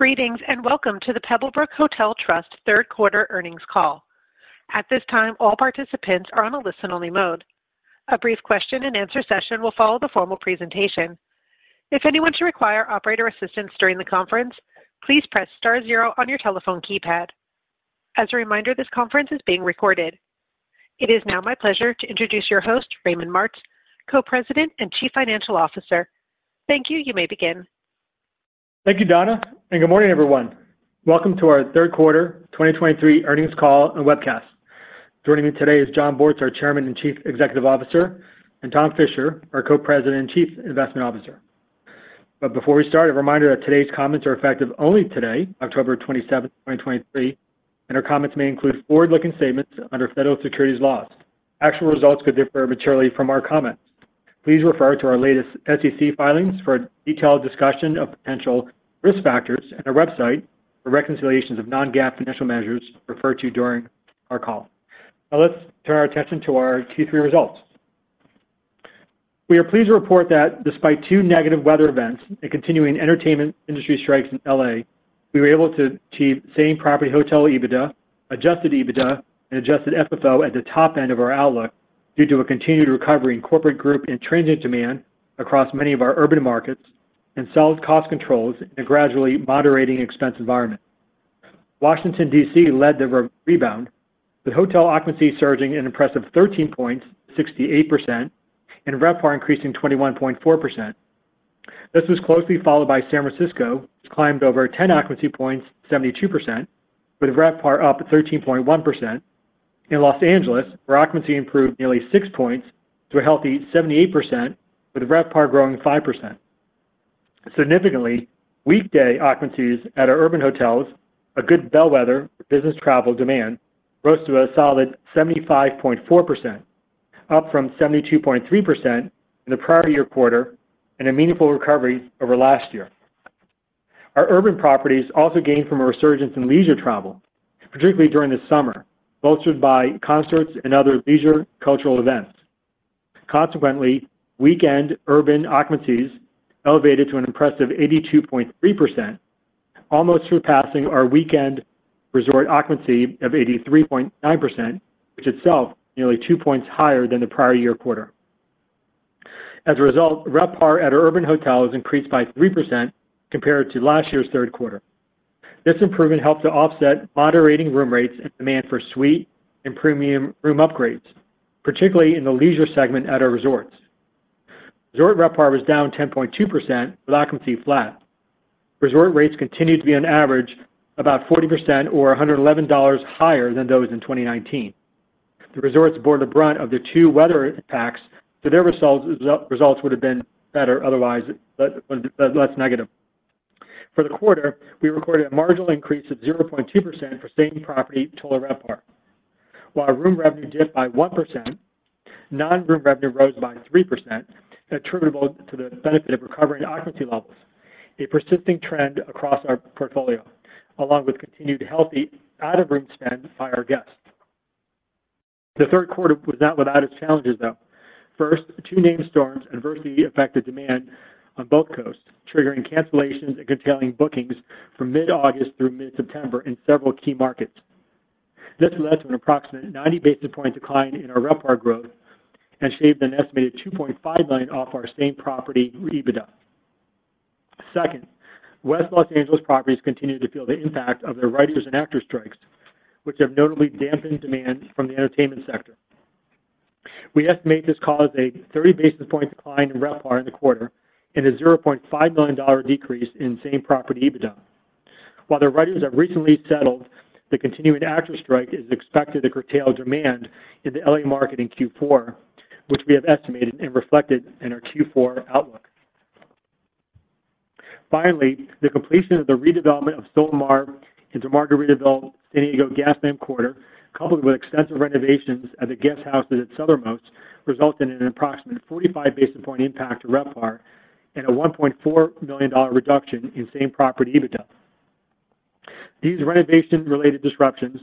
Greetings, and welcome to the Pebblebrook Hotel Trust third quarter earnings call. At this time, all participants are on a listen-only mode. A brief question-and-answer session will follow the formal presentation. If anyone should require operator assistance during the conference, please press star zero on your telephone keypad. As a reminder, this conference is being recorded. It is now my pleasure to introduce your host, Raymond Martz, Co-President and Chief Financial Officer. Thank you. You may begin. Thank you, Donna, and good morning, everyone. Welcome to our third quarter 2023 earnings call and webcast. Joining me today is Jon Bortz, our Chairman and Chief Executive Officer, and Tom Fisher, our Co-President and Chief Investment Officer. But before we start, a reminder that today's comments are effective only today, October 27th, 2023, and our comments may include forward-looking statements under federal securities laws. Actual results could differ materially from our comments. Please refer to our latest SEC filings for a detailed discussion of potential risk factors and our website for reconciliations of non-GAAP financial measures referred to during our call. Now let's turn our attention to our Q3 results. We are pleased to report that despite two negative weather events and continuing entertainment industry strikes in L.A., we were able to achieve Same-Property hotel EBITDA, Adjusted EBITDA, and Adjusted FFO at the top end of our outlook due to a continued recovery in corporate group and transient demand across many of our urban markets and solid cost controls in a gradually moderating expense environment. Washington, D.C., led the rebound, with hotel occupancy surging an impressive 13 points, 68%, and RevPAR increasing 21.4%. This was closely followed by San Francisco, which climbed over 10 occupancy points, 72%, with RevPAR up at 13.1%. In Los Angeles, where occupancy improved nearly 6 points to a healthy 78%, with RevPAR growing 5%. Significantly, weekday occupancies at our urban hotels, a good bellwether business travel demand, rose to a solid 75.4%, up from 72.3% in the prior year quarter and a meaningful recovery over last year. Our urban properties also gained from a resurgence in leisure travel, particularly during the summer, bolstered by concerts and other leisure cultural events. Consequently, weekend urban occupancies elevated to an impressive 82.3%, almost surpassing our weekend resort occupancy of 83.9%, which itself nearly two points higher than the prior year quarter. As a result, RevPAR at our urban hotels increased by 3% compared to last year's third quarter. This improvement helped to offset moderating room rates and demand for suite and premium room upgrades, particularly in the leisure segment at our resorts. Resort RevPAR was down 10.2%, with occupancy flat. Resort rates continued to be on average about 40% or $111 higher than those in 2019. The resorts bore the brunt of the two weather attacks, so their results would have been better otherwise, but less negative. For the quarter, we recorded a marginal increase of 0.2% for Same-Property Total RevPAR. While our room revenue dipped by 1%, non-room revenue rose by 3%, attributable to the benefit of recovering occupancy levels, a persisting trend across our portfolio, along with continued healthy out-of-room spend by our guests. The third quarter was not without its challenges, though. First, two named storms adversely affected demand on both coasts, triggering cancellations and curtailing bookings from mid-August through mid-September in several key markets. This led to an approximate 90 basis point decline in our RevPAR growth and shaved an estimated $2.5 million off our same-property EBITDA. Second, West Los Angeles properties continued to feel the impact of the writers and actors strikes, which have notably dampened demand from the entertainment sector. We estimate this caused a 30 basis point decline in RevPAR in the quarter and a $0.5 million decrease in same-property EBITDA. While the writers have recently settled, the continuing actors strike is expected to curtail demand in the LA market in Q4, which we have estimated and reflected in our Q4 outlook. Finally, the completion of the redevelopment of Solamar into Margaritaville San Diego Gaslamp Quarter, coupled with extensive renovations at the Guesthouses at Southernmost, resulted in an approximate 45 basis points impact to RevPAR and a $1.4 million reduction in same-property EBITDA. These renovation-related disruptions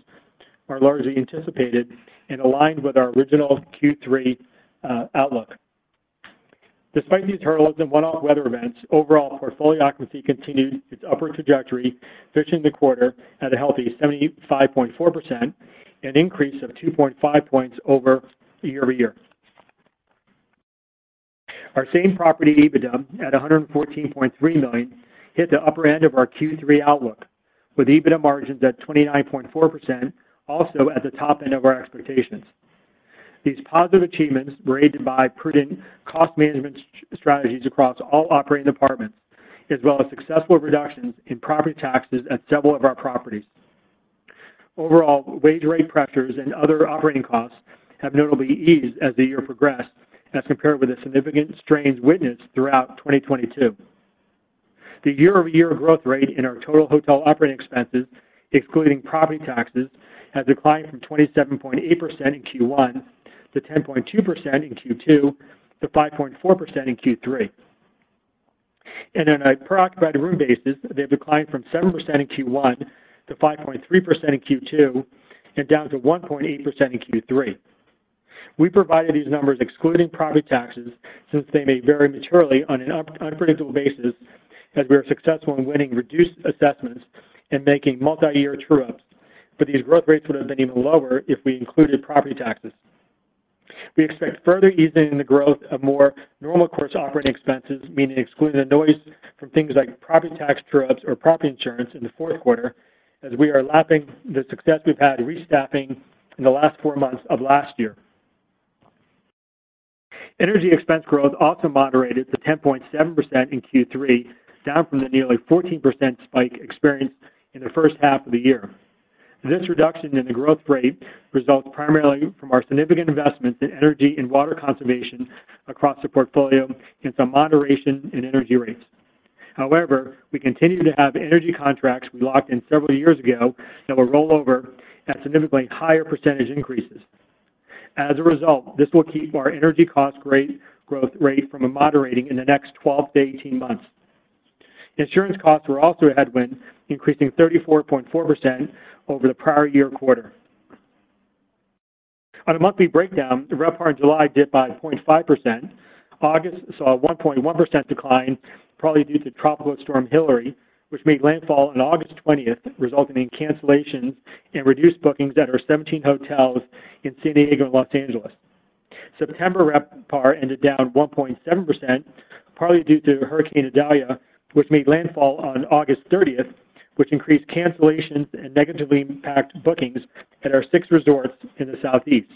are largely anticipated and aligned with our original Q3 outlook. Despite these hurdles and one-off weather events, overall portfolio occupancy continued its upward trajectory, finishing the quarter at a healthy 75.4%, an increase of 2.5 points year-over-year. Our same-property EBITDA, at $114.3 million, hit the upper end of our Q3 outlook, with EBITDA margins at 29.4%, also at the top end of our expectations. These positive achievements were aided by prudent cost management strategies across all operating departments, as well as successful reductions in property taxes at several of our properties. Overall, wage rate pressures and other operating costs have notably eased as the year progressed, as compared with the significant strains witnessed throughout 2022. The year-over-year growth rate in our total hotel operating expenses, excluding property taxes, has declined from 27.8% in Q1 to 10.2% in Q2 to 5.4% in Q3. On a per occupied room basis, they've declined from 7% in Q1 to 5.3% in Q2, and down to 1.8% in Q3. We provided these numbers excluding property taxes, since they may vary materially on an unpredictable basis as we are successful in winning reduced assessments and making multi-year true-ups. But these growth rates would have been even lower if we included property taxes. We expect further easing in the growth of more normal course operating expenses, meaning excluding the noise from things like property tax true-ups or property insurance in the fourth quarter, as we are lapping the success we've had in restaffing in the last four months of last year. Energy expense growth also moderated to 10.7% in Q3, down from the nearly 14% spike experienced in the first half of the year. This reduction in the growth rate results primarily from our significant investments in energy and water conservation across the portfolio and some moderation in energy rates. However, we continue to have energy contracts we locked in several years ago that will roll over at significantly higher percentage increases. As a result, this will keep our energy cost rate, growth rate from moderating in the next 12-18 months. Insurance costs were also a headwind, increasing 34.4% over the prior year quarter. On a monthly breakdown, the RevPAR in July dipped by 0.5%. August saw a 1.1% decline, probably due to Tropical Storm Hilary, which made landfall on August 20, resulting in cancellations and reduced bookings at our 17 hotels in San Diego and Los Angeles. September RevPAR ended down 1.7%, partly due to Hurricane Idalia, which made landfall on August 30, which increased cancellations and negatively impacted bookings at our 6 resorts in the Southeast.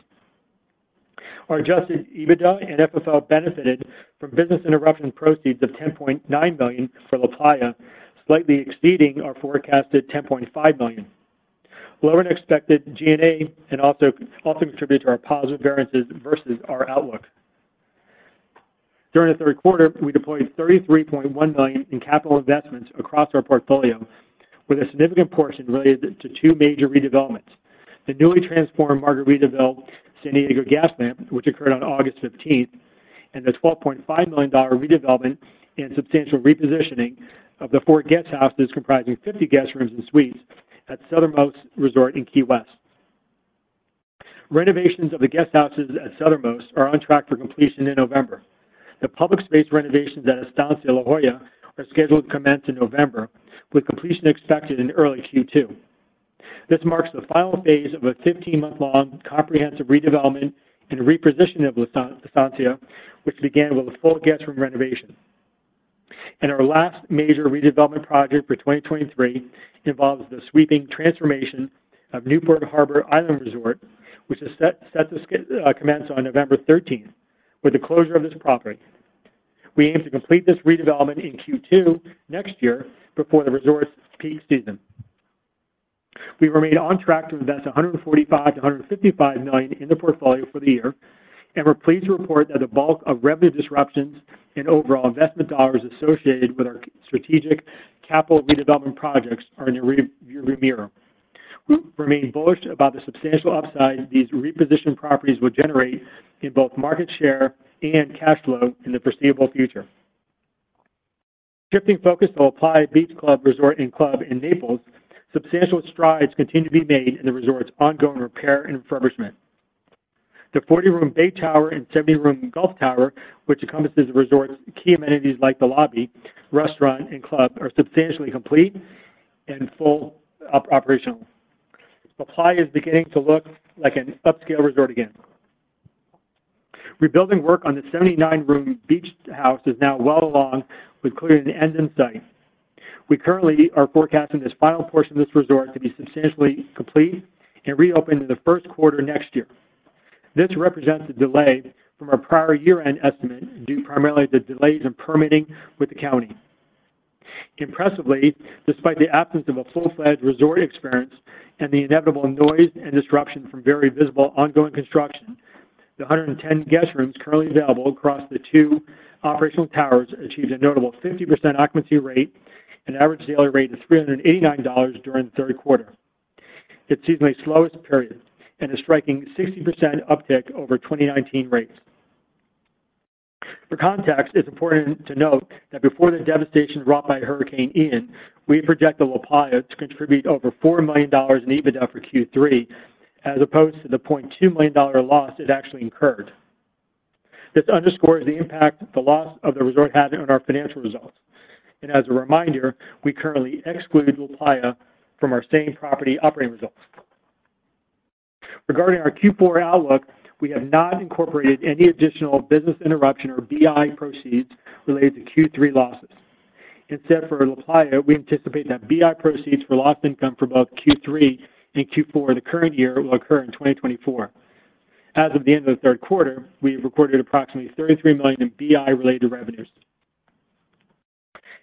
Our adjusted EBITDA and FFO benefited from business interruption proceeds of $10.9 million for LaPlaya, slightly exceeding our forecasted $10.5 million. Lower than expected G&A can also contribute to our positive variances versus our outlook. During the third quarter, we deployed $33.1 million in capital investments across our portfolio, with a significant portion related to two major redevelopments: the newly transformed Margaritaville San Diego Gaslamp, which occurred on August 15th, and the $12.5 million redevelopment and substantial repositioning of the Guesthouses, comprising 50 guest rooms and suites at Southernmost Resort in Key West. Renovations of the Guesthouses at Southernmost are on track for completion in November. The public space renovations at Estancia La Jolla are scheduled to commence in November, with completion expected in early Q2. This marks the final phase of a 15-month-long comprehensive redevelopment and repositioning of Estancia, which began with a full guest room renovation. Our last major redevelopment project for 2023 involves the sweeping transformation of Newport Harbor Island Resort, which is set to commence on November 13, with the closure of this property. We aim to complete this redevelopment in Q2 next year before the resort's peak season. We remain on track to invest $145 million-$155 million in the portfolio for the year, and we're pleased to report that the bulk of revenue disruptions and overall investment dollars associated with our strategic capital redevelopment projects are in your rear view mirror. We remain bullish about the substantial upside these repositioned properties will generate in both market share and cash flow in the foreseeable future. Shifting focus to LaPlaya Beach Resort & Club in Naples, substantial strides continue to be made in the resort's ongoing repair and refurbishment. The 40-room Bay Tower and 70-room Gulf Tower, which encompasses the resort's key amenities like the lobby, restaurant, and club, are substantially complete and full up operational. LaPlaya is beginning to look like an upscale resort again. Rebuilding work on the 79-room Beach House is now well along with clearly the end in sight. We currently are forecasting this final portion of this resort to be substantially complete and reopened in the first quarter next year. This represents a delay from our prior year-end estimate, due primarily to delays in permitting with the county. Impressively, despite the absence of a full-fledged resort experience and the inevitable noise and disruption from very visible ongoing construction, the 110 guest rooms currently available across the two operational towers achieved a notable 50% occupancy rate and an average daily rate of $389 during the third quarter. It's seasonally slowest period and a striking 60% uptick over 2019 rates. For context, it's important to note that before the devastation brought by Hurricane Ian, we project that LaPlaya to contribute over $4 million in EBITDA for Q3, as opposed to the $0.2 million dollar loss it actually incurred. This underscores the impact the loss of the resort had on our financial results. As a reminder, we currently exclude LaPlaya from our same-property operating results. Regarding our Q4 outlook, we have not incorporated any additional business interruption or BI proceeds related to Q3 losses. Instead, for LaPlaya, we anticipate that BI proceeds for lost income from both Q3 and Q4 of the current year will occur in 2024. As of the end of the third quarter, we recorded approximately $33 million in BI-related revenues.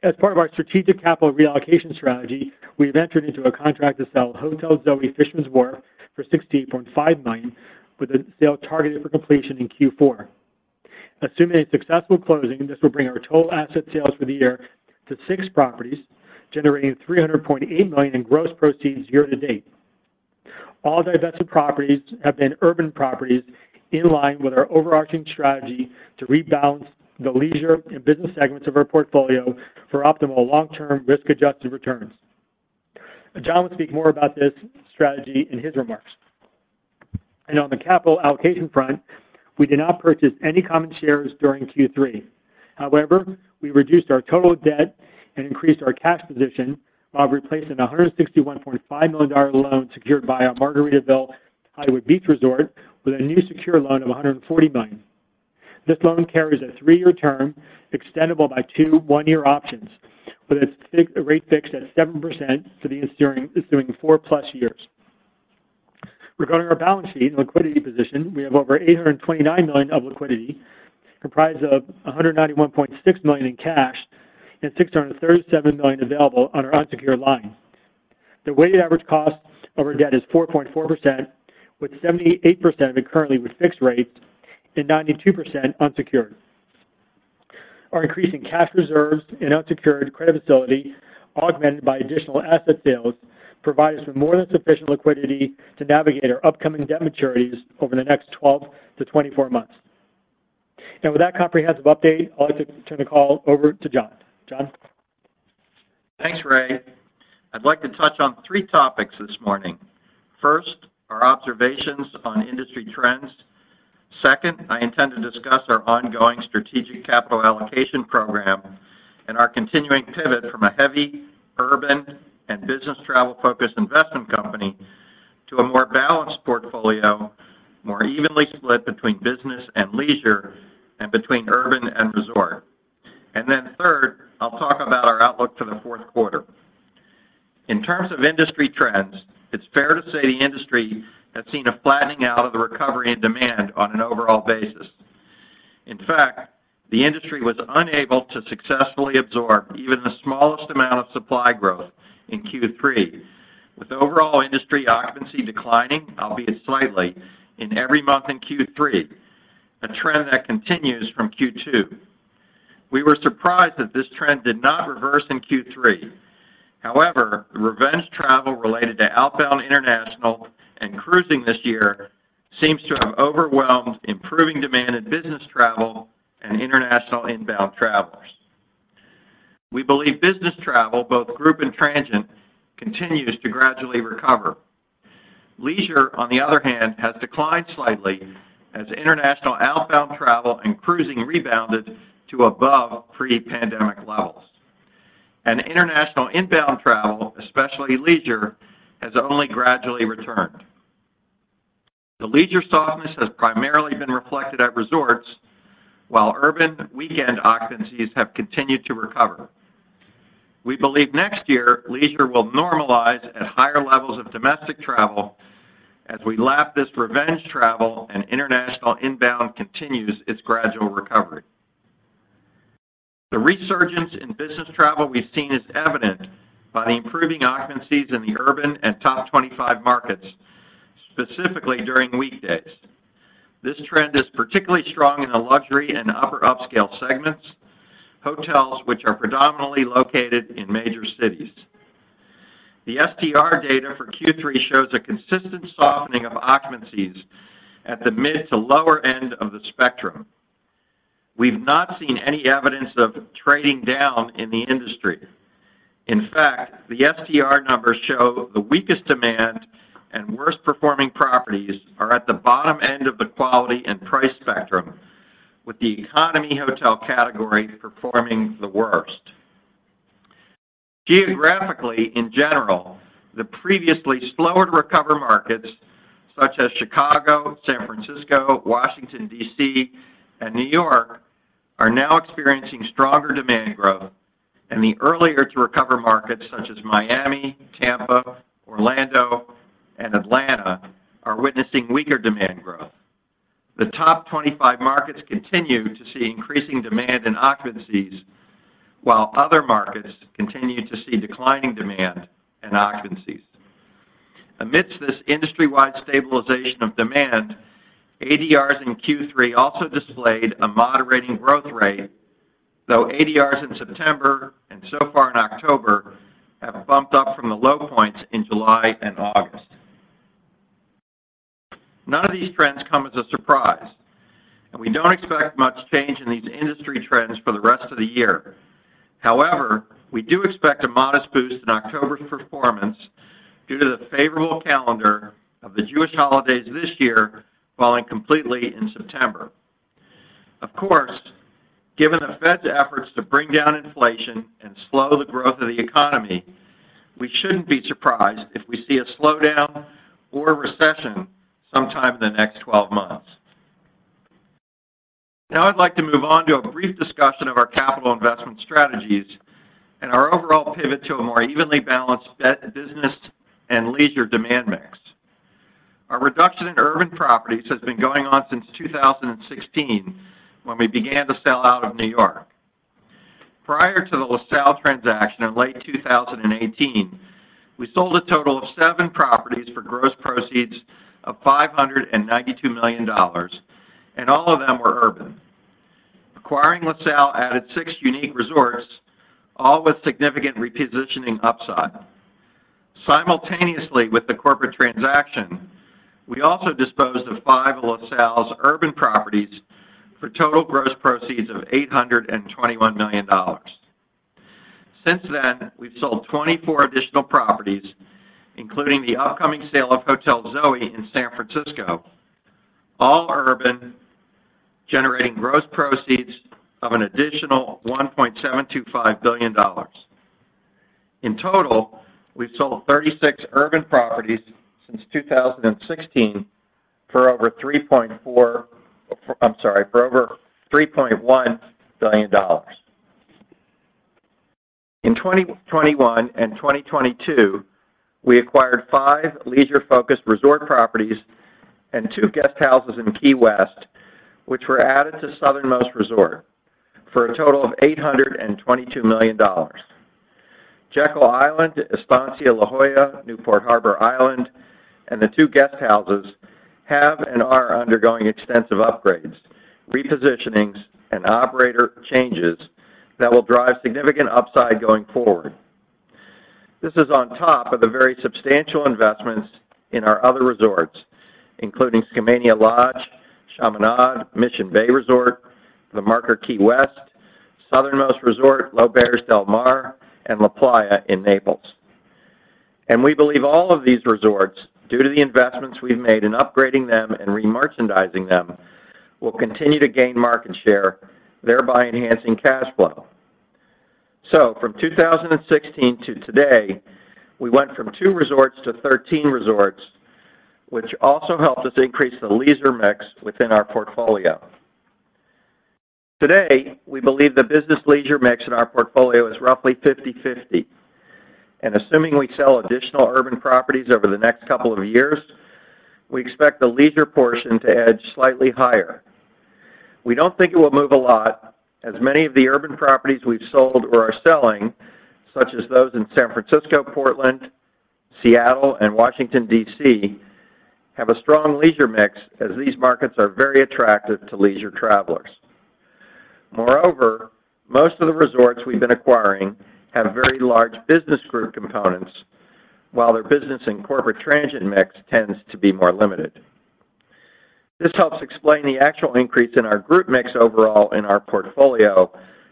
As part of our strategic capital reallocation strategy, we've entered into a contract to sell Hotel Zoe Fisherman's Wharf for $16.5 million, with the sale targeted for completion in Q4. Assuming a successful closing, this will bring our total asset sales for the year to 6 properties, generating $300.8 million in gross proceeds year to date. All divested properties have been urban properties in line with our overarching strategy to rebalance the leisure and business segments of our portfolio for optimal long-term risk-adjusted returns. Jon will speak more about this strategy in his remarks. On the capital allocation front, we did not purchase any common shares during Q3. However, we reduced our total debt and increased our cash position while replacing a $161.5 million loan secured by our Margaritaville Hollywood Beach Resort with a new secure loan of $140 million. This loan carries a 3-year term, extendable by two 1-year options, with a fixed rate at 7% for the ensuing 4+ years. Regarding our balance sheet and liquidity position, we have over $829 million of liquidity, comprised of $191.6 million in cash and $637 million available on our unsecured line. The weighted average cost of our debt is 4.4%, with 78% of it currently with fixed rates and 92% unsecured. Our increasing cash reserves and unsecured credit facility, augmented by additional asset sales, provide us with more than sufficient liquidity to navigate our upcoming debt maturities over the next 12-24 months. Now, with that comprehensive update, I'd like to turn the call over to Jon. Jon? Thanks, Ray. I'd like to touch on three topics this morning. First, our observations on industry trends. Second, I intend to discuss our ongoing strategic capital allocation program and our continuing pivot from a heavy urban and business travel-focused investment company to a more balanced portfolio, more evenly split between business and leisure, and between urban and resort. And then third, I'll talk about our outlook for the fourth quarter. In terms of industry trends, it's fair to say the industry has seen a flattening out of the recovery in demand on an overall basis. In fact, the industry was unable to successfully absorb even the smallest amount of supply growth in Q3, with overall industry occupancy declining, albeit slightly, in every month in Q3, a trend that continues from Q2. We were surprised that this trend did not reverse in Q3. However, revenge travel related to outbound international and cruising this year seems to have overwhelmed improving demand in business travel and international inbound travelers. We believe business travel, both group and transient, continues to gradually recover. Leisure, on the other hand, has declined slightly as international outbound travel and cruising rebounded to above pre-pandemic levels. International inbound travel, especially leisure, has only gradually returned. The leisure softness has primarily been reflected at resorts, while urban weekend occupancies have continued to recover. We believe next year, leisure will normalize at higher levels of domestic travel as we lap this revenge travel and international inbound continues its gradual recovery. The resurgence in business travel we've seen is evident by the improving occupancies in the urban and top 25 markets, specifically during weekdays. This trend is particularly strong in the luxury and upper upscale segments, hotels which are predominantly located in major cities. The STR data for Q3 shows a consistent softening of occupancies at the mid to lower end of the spectrum. We've not seen any evidence of trading down in the industry. In fact, the STR numbers show the weakest demand and worst-performing properties are at the bottom end of the quality and price spectrum, with the economy hotel category performing the worst. Geographically, in general, the previously slower-to-recover markets, such as Chicago, San Francisco, Washington, D.C., and New York, are now experiencing stronger demand growth, and the earlier-to-recover markets, such as Miami, Tampa, Orlando, and Atlanta, are witnessing weaker demand growth. The top 25 markets continue to see increasing demand in occupancies, while other markets continue to see declining demand in occupancies. Amidst this industry-wide stabilization of demand, ADRs in Q3 also displayed a moderating growth rate, though ADRs in September and so far in October have bumped up from the low points in July and August. None of these trends come as a surprise, and we don't expect much change in these industry trends for the rest of the year. However, we do expect a modest boost in October's performance due to the favorable calendar of the Jewish holidays this year falling completely in September. Of course, given the Fed's efforts to bring down inflation and slow the growth of the economy, we shouldn't be surprised if we see a slowdown or a recession sometime in the next 12 months. Now I'd like to move on to a brief discussion of our capital investment strategies and our overall pivot to a more evenly balanced debt, business, and leisure demand mix. Our reduction in urban properties has been going on since 2016, when we began to sell out of New York. Prior to the LaSalle transaction in late 2018, we sold a total of 7 properties for gross proceeds of $592 million, and all of them were urban. Acquiring LaSalle added 6 unique resorts, all with significant repositioning upside. Simultaneously, with the corporate transaction, we also disposed of 5 of LaSalle's urban properties for total gross proceeds of $821 million. Since then, we've sold 24 additional properties, including the upcoming sale of Hotel Zoe in San Francisco, all urban, generating gross proceeds of an additional $1.725 billion. In total, we've sold 36 urban properties since 2016 for over $3.4, I'm sorry, for over $3.1 billion. In 2021 and 2022, we acquired 5 leisure-focused resort properties and 2 guesthouses in Key West, which were added to Southernmost Resort for a total of $822 million. Jekyll Island, Estancia La Jolla, Newport Harbor Island, and the 2 guesthouses have and are undergoing extensive upgrades, repositionings, and operator changes that will drive significant upside going forward. This is on top of the very substantial investments in our other resorts, including Skamania Lodge, Chaminade, Mission Bay Resort, The Marker Key West, Southernmost Resort, L'Auberge Del Mar, and LaPlaya in Naples. We believe all of these resorts, due to the investments we've made in upgrading them and remerchandising them, will continue to gain market share, thereby enhancing cash flow. From 2016 to today, we went from 2 resorts to 13 resorts, which also helped us increase the leisure mix within our portfolio. Today, we believe the business leisure mix in our portfolio is roughly 50/50, and assuming we sell additional urban properties over the next couple of years, we expect the leisure portion to edge slightly higher. We don't think it will move a lot, as many of the urban properties we've sold or are selling, such as those in San Francisco, Portland, Seattle, and Washington, D.C., have a strong leisure mix as these markets are very attractive to leisure travelers. Moreover, most of the resorts we've been acquiring have very large business group components, while their business and corporate transient mix tends to be more limited. This helps explain the actual increase in our group mix overall in our portfolio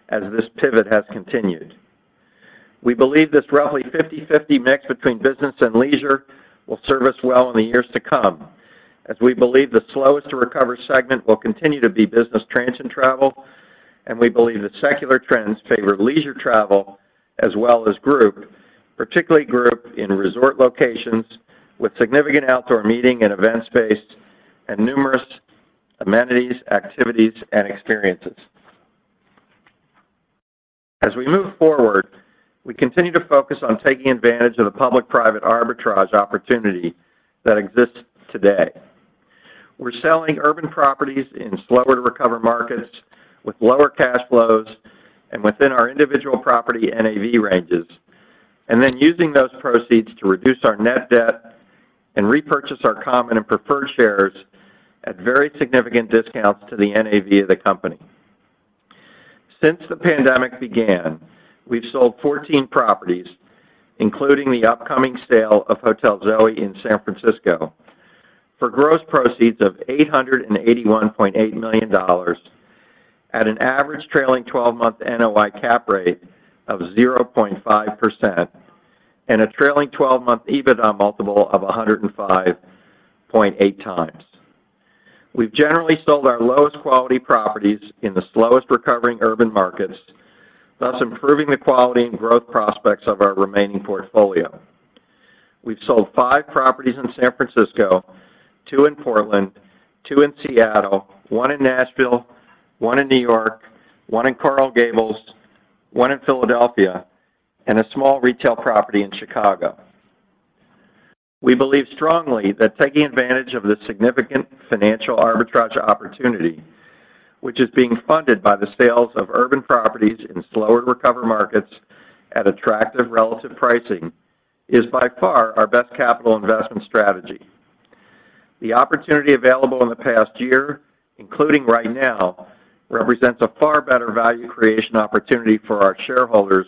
as this pivot has continued. We believe this roughly 50/50 mix between business and leisure will serve us well in the years to come, as we believe the slowest to recover segment will continue to be business transient travel, and we believe that secular trends favor leisure travel as well as group, particularly group in resort locations with significant outdoor meeting and event space and numerous amenities, activities, and experiences. As we move forward, we continue to focus on taking advantage of the public-private arbitrage opportunity that exists today. We're selling urban properties in slower to recover markets with lower cash flows and within our individual property NAV ranges, and then using those proceeds to reduce our net debt and repurchase our common and preferred shares at very significant discounts to the NAV of the company. Since the pandemic began, we've sold 14 properties, including the upcoming sale of Hotel Zoe in San Francisco, for gross proceeds of $881.8 million at an average trailing twelve-month NOI cap rate of 0.5% and a trailing twelve-month EBITDA multiple of 105.8 times. We've generally sold our lowest quality properties in the slowest recovering urban markets, thus improving the quality and growth prospects of our remaining portfolio. We've sold 5 properties in San Francisco, 2 in Portland, 2 in Seattle, 1 in Nashville, 1 in New York, 1 in Coral Gables, 1 in Philadelphia, and a small retail property in Chicago. We believe strongly that taking advantage of the significant financial arbitrage opportunity, which is being funded by the sales of urban properties in slower recover markets at attractive relative pricing, is by far our best capital investment strategy. The opportunity available in the past year, including right now, represents a far better value creation opportunity for our shareholders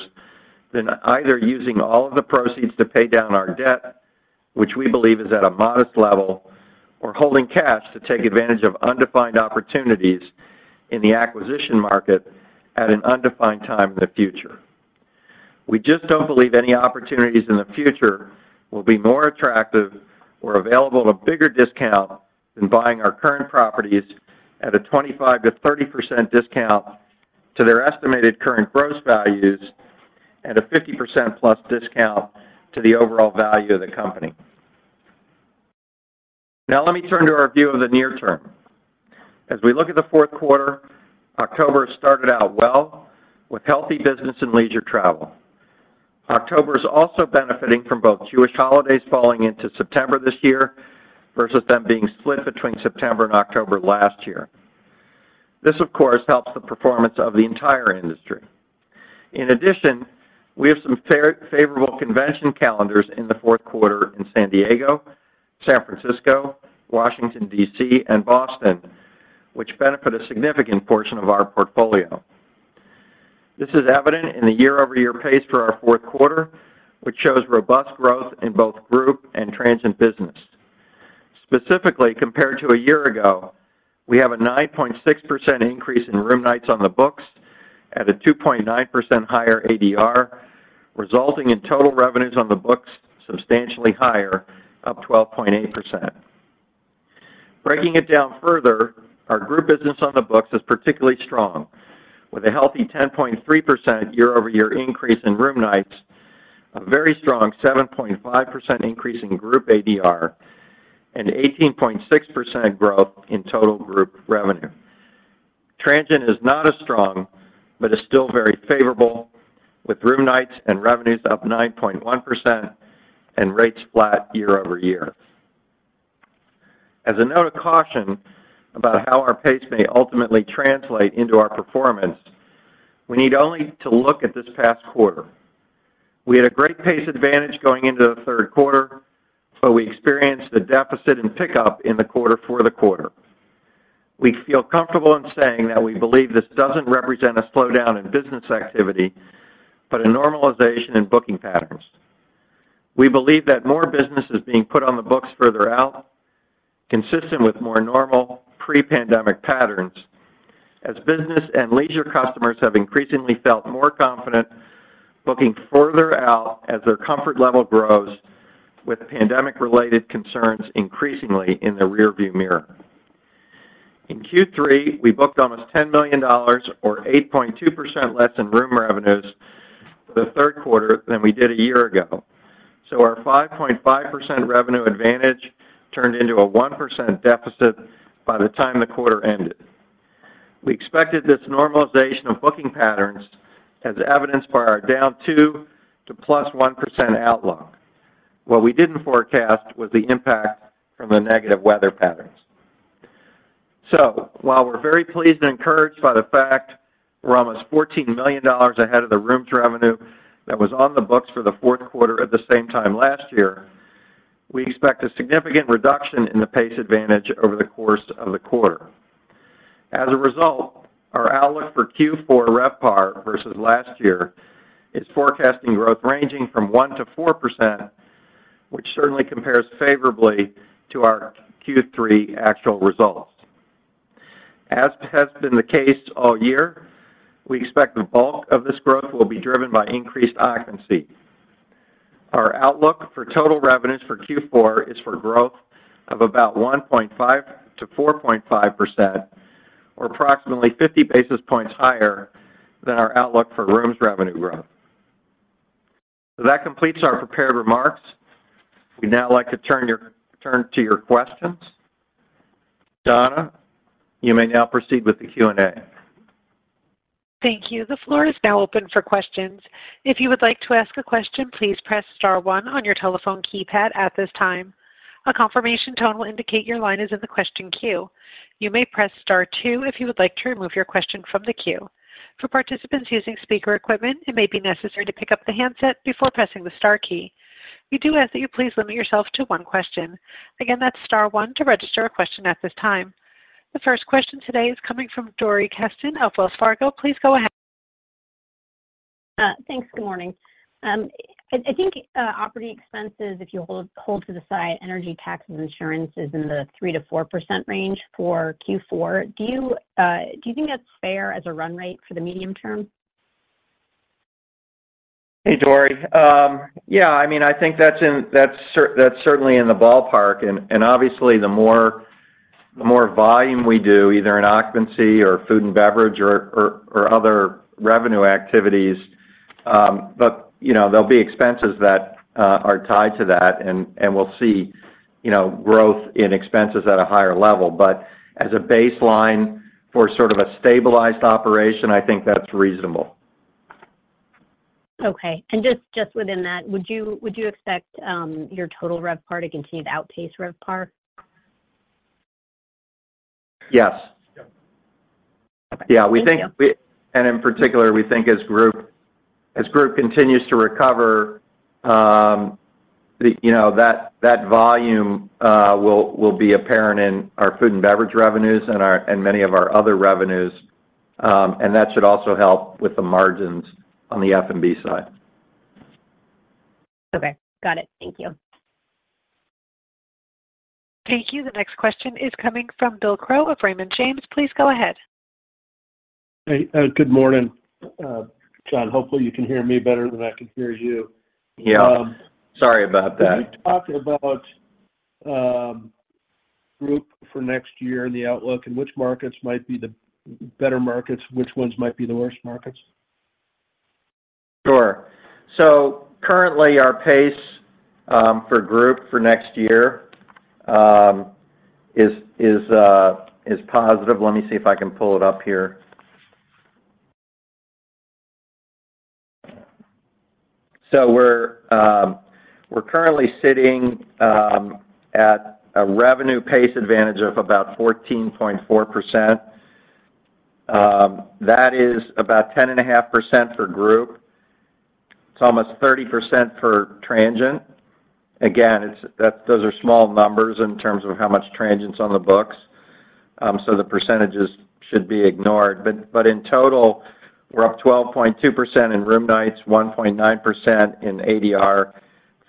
than either using all of the proceeds to pay down our debt, which we believe is at a modest level, or holding cash to take advantage of undefined opportunities in the acquisition market at an undefined time in the future. We just don't believe any opportunities in the future will be more attractive or available at a bigger discount than buying our current properties at a 25%-30% discount to their estimated current gross values and a 50%+ discount to the overall value of the company. Now, let me turn to our view of the near term. As we look at the fourth quarter, October started out well with healthy business and leisure travel. October is also benefiting from both Jewish holidays falling into September this year, versus them being split between September and October last year. This, of course, helps the performance of the entire industry. In addition, we have some favorable convention calendars in the fourth quarter in San Diego, San Francisco, Washington, D.C., and Boston, which benefit a significant portion of our portfolio. This is evident in the year-over-year pace for our fourth quarter, which shows robust growth in both group and transient business. Specifically, compared to a year ago, we have a 9.6% increase in room nights on the books at a 2.9% higher ADR, resulting in total revenues on the books substantially higher, up 12.8%. Breaking it down further, our group business on the books is particularly strong, with a healthy 10.3% year-over-year increase in room nights, a very strong 7.5% increase in group ADR, and 18.6% growth in total group revenue. Transient is not as strong, but is still very favorable, with room nights and revenues up 9.1% and rates flat year-over-year. As a note of caution about how our pace may ultimately translate into our performance, we need only to look at this past quarter. We had a great pace advantage going into the third quarter, but we experienced a deficit in pickup in the quarter for the quarter. We feel comfortable in saying that we believe this doesn't represent a slowdown in business activity, but a normalization in booking patterns. We believe that more business is being put on the books further out, consistent with more normal pre-pandemic patterns, as business and leisure customers have increasingly felt more confident booking further out as their comfort level grows with pandemic-related concerns increasingly in the rearview mirror. In Q3, we booked almost $10 million or 8.2% less in room revenues for the third quarter than we did a year ago. So our 5.5% revenue advantage turned into a 1% deficit by the time the quarter ended. We expected this normalization of booking patterns as evidence for our down -2% to +1% outlook. What we didn't forecast was the impact from the negative weather patterns. So while we're very pleased and encouraged by the fact we're almost $14 million ahead of the rooms revenue that was on the books for the fourth quarter at the same time last year, we expect a significant reduction in the pace advantage over the course of the quarter. As a result, our outlook for Q4 RevPAR versus last year is forecasting growth ranging from 1%-4%, which certainly compares favorably to our Q3 actual results. As has been the case all year, we expect the bulk of this growth will be driven by increased occupancy. Our outlook for total revenues for Q4 is for growth of about 1.5%-4.5%, or approximately 50 basis points higher than our outlook for rooms revenue growth. So that completes our prepared remarks. We'd now like to turn to your questions. Donna, you may now proceed with the Q&A. Thank you. The floor is now open for questions. If you would like to ask a question, please press star one on your telephone keypad at this time. A confirmation tone will indicate your line is in the question queue. You may press star two if you would like to remove your question from the queue. For participants using speaker equipment, it may be necessary to pick up the handset before pressing the star key. We do ask that you please limit yourself to one question. Again, that's star one to register a question at this time. The first question today is coming from Dori Kesten of Wells Fargo. Please go ahead. Thanks. Good morning. I think operating expenses, if you hold to the side, energy, taxes, insurance, is in the 3%-4% range for Q4. Do you think that's fair as a run rate for the medium term? Hey, Dori. Yeah, I mean, I think that's certainly in the ballpark. And obviously, the more volume we do, either in occupancy or food and beverage or other revenue activities, but, you know, there'll be expenses that are tied to that, and we'll see, you know, growth in expenses at a higher level. But as a baseline for sort of a stabilized operation, I think that's reasonable. Okay. And just within that, would you expect your Total RevPAR to continue to outpace RevPAR? Yes. Okay. Thank you. Yeah, we think we... And in particular, we think as group, as group continues to recover, you know, that volume will be apparent in our food and beverage revenues and our—and many of our other revenues, and that should also help with the margins on the F&B side. Okay, got it. Thank you. Thank you. The next question is coming from Bill Crow of Raymond James. Please go ahead. Hey, good morning, Jon. Hopefully, you can hear me better than I can hear you. Yeah, sorry about that. Could you talk about group for next year and the outlook, and which markets might be the better markets, which ones might be the worst markets? Sure. So currently, our pace for group for next year is positive. Let me see if I can pull it up here. So we're currently sitting at a revenue pace advantage of about 14.4%. That is about 10.5% for group. It's almost 30% for transient. Again, it's that those are small numbers in terms of how much transient's on the books, so the percentages should be ignored. But in total, we're up 12.2% in room nights, 1.9% in ADR,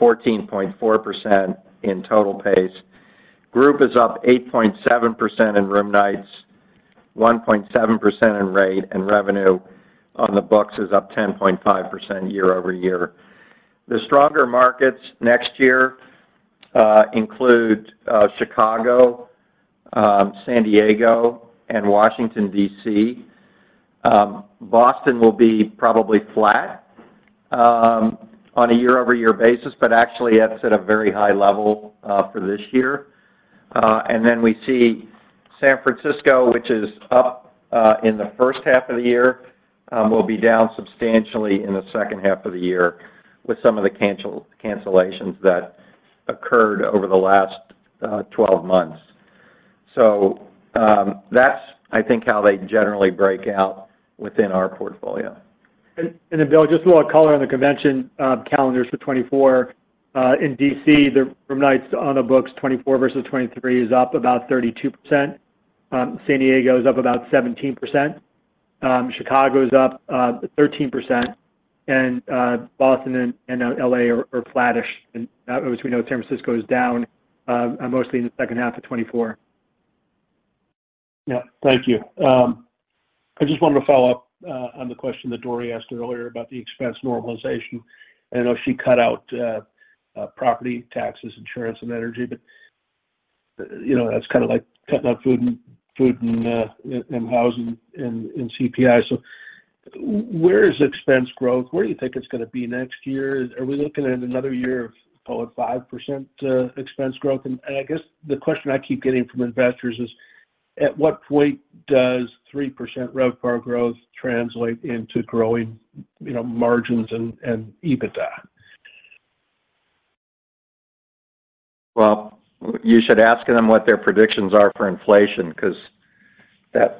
14.4% in total pace. Group is up 8.7% in room nights, 1.7% in rate, and revenue on the books is up 10.5% year-over-year. The stronger markets next year include Chicago, San Diego, and Washington, D.C. Boston will be probably flat on a year-over-year basis, but actually, that's at a very high level for this year. And then we see San Francisco, which is up in the first half of the year, will be down substantially in the second half of the year with some of the cancellations that occurred over the last 12 months. So, that's, I think, how they generally break out within our portfolio. Then, Bill, just a little color on the convention calendars for 2024. In D.C., the room nights on the books, 2024 versus 2023, is up about 32%. San Diego is up about 17%. Chicago is up 13%, and Boston and L.A. are flattish, and as we know, San Francisco is down mostly in the second half of 2024. Yeah. Thank you. I just wanted to follow up on the question that Dori asked earlier about the expense normalization. I know she cut out property taxes, insurance, and energy, but, you know, that's kind of like cutting out food and housing in CPI. So where is expense growth? Where do you think it's gonna be next year? Are we looking at another year of, call it, 5% expense growth? And I guess the question I keep getting from investors is, at what point does 3% RevPAR growth translate into growing, you know, margins and EBITDA? Well, you should ask them what their predictions are for inflation, 'cause that,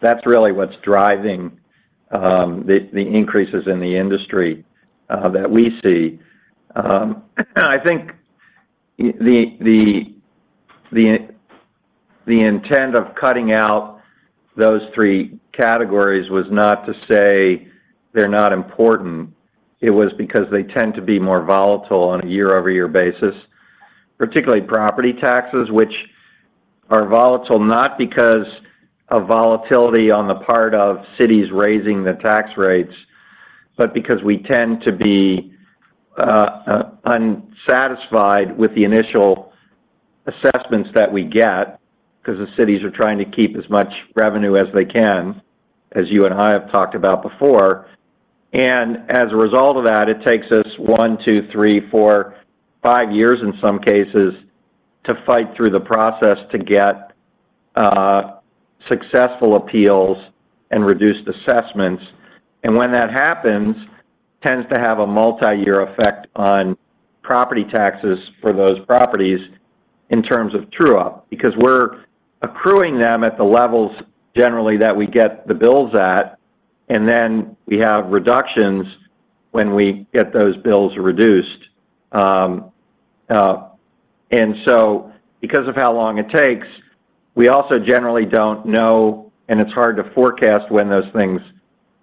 that's really what's driving the increases in the industry that we see. And I think the intent of cutting out those three categories was not to say they're not important, it was because they tend to be more volatile on a year-over-year basis, particularly property taxes, which are volatile, not because of volatility on the part of cities raising the tax rates, but because we tend to be unsatisfied with the initial assessments that we get, 'cause the cities are trying to keep as much revenue as they can, as you and I have talked about before. As a result of that, it takes us 1, 2, 3, 4, 5 years, in some cases, to fight through the process to get successful appeals and reduced assessments. And when that happens, tends to have a multi-year effect on property taxes for those properties in terms of true-up, because we're accruing them at the levels, generally, that we get the bills at, and then we have reductions when we get those bills reduced. And so because of how long it takes, we also generally don't know, and it's hard to forecast when those things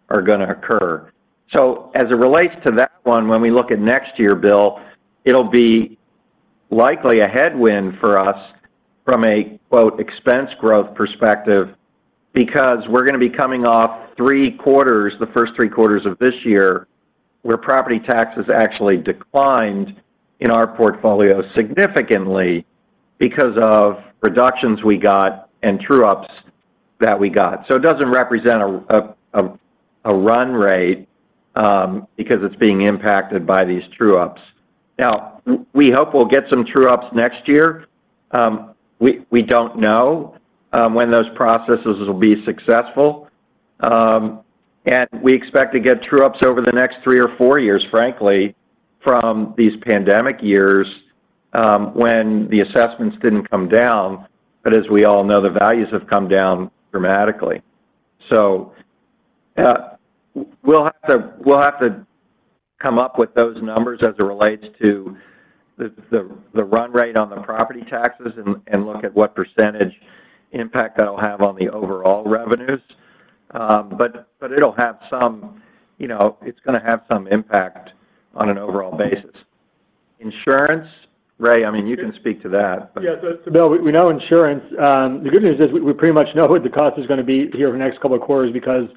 are gonna occur. So as it relates to that one, when we look at next year, Bill, it'll be likely a headwind for us from a, quote, "expense growth perspective," because we're gonna be coming off 3 quarters, the first 3 quarters of this year, where property taxes actually declined in our portfolio significantly because of reductions we got and true-ups that we got. So it doesn't represent a run rate, because it's being impacted by these true-ups. Now, we hope we'll get some true-ups next year. We don't know when those processes will be successful, and we expect to get true-ups over the next 3 or 4 years, frankly, from these pandemic years, when the assessments didn't come down, but as we all know, the values have come down dramatically. So, we'll have to come up with those numbers as it relates to the run rate on the property taxes and look at what percentage impact that'll have on the overall revenues. But it'll have some... You know, it's gonna have some impact on an overall basis. Insurance? Ray, I mean, you can speak to that. Yeah. So, Bill, we know insurance. The good news is we pretty much know what the cost is gonna be here over the next couple of quarters, because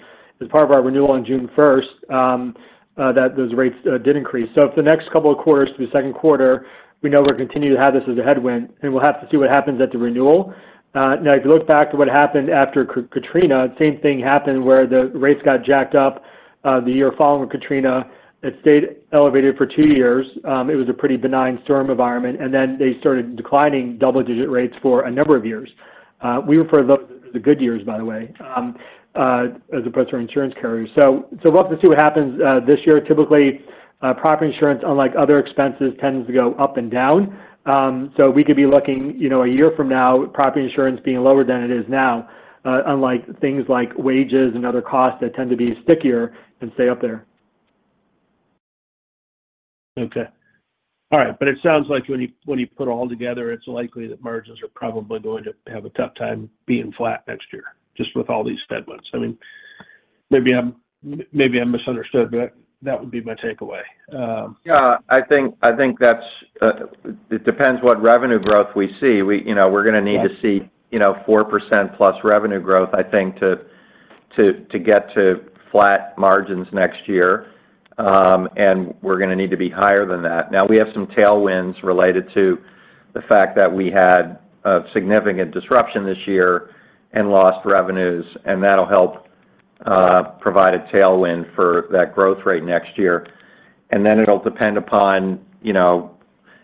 as part of our renewal on June first, that those rates did increase. So for the next couple of quarters, through the second quarter, we know we're continuing to have this as a headwind, and we'll have to see what happens at the renewal. Now, if you look back to what happened after Katrina, same thing happened, where the rates got jacked up, the year following Katrina. It stayed elevated for two years. It was a pretty benign storm environment, and then they started declining double-digit rates for a number of years. We were for the good years, by the way, as opposed to our insurance carrier. So we'll have to see what happens this year. Typically, property insurance, unlike other expenses, tends to go up and down. So we could be looking, you know, a year from now, property insurance being lower than it is now, unlike things like wages and other costs that tend to be stickier and stay up there. ... Okay. All right, but it sounds like when you, when you put it all together, it's likely that margins are probably going to have a tough time being flat next year, just with all these headwinds. I mean, maybe I'm, maybe I misunderstood, but that would be my takeaway. Yeah, I think that's it depends what revenue growth we see. We, you know, we're gonna need to see, you know, 4%+ revenue growth, I think, to get to flat margins next year, and we're gonna need to be higher than that. Now, we have some tailwinds related to the fact that we had a significant disruption this year and lost revenues, and that'll help provide a tailwind for that growth rate next year. And then it'll depend upon, you know,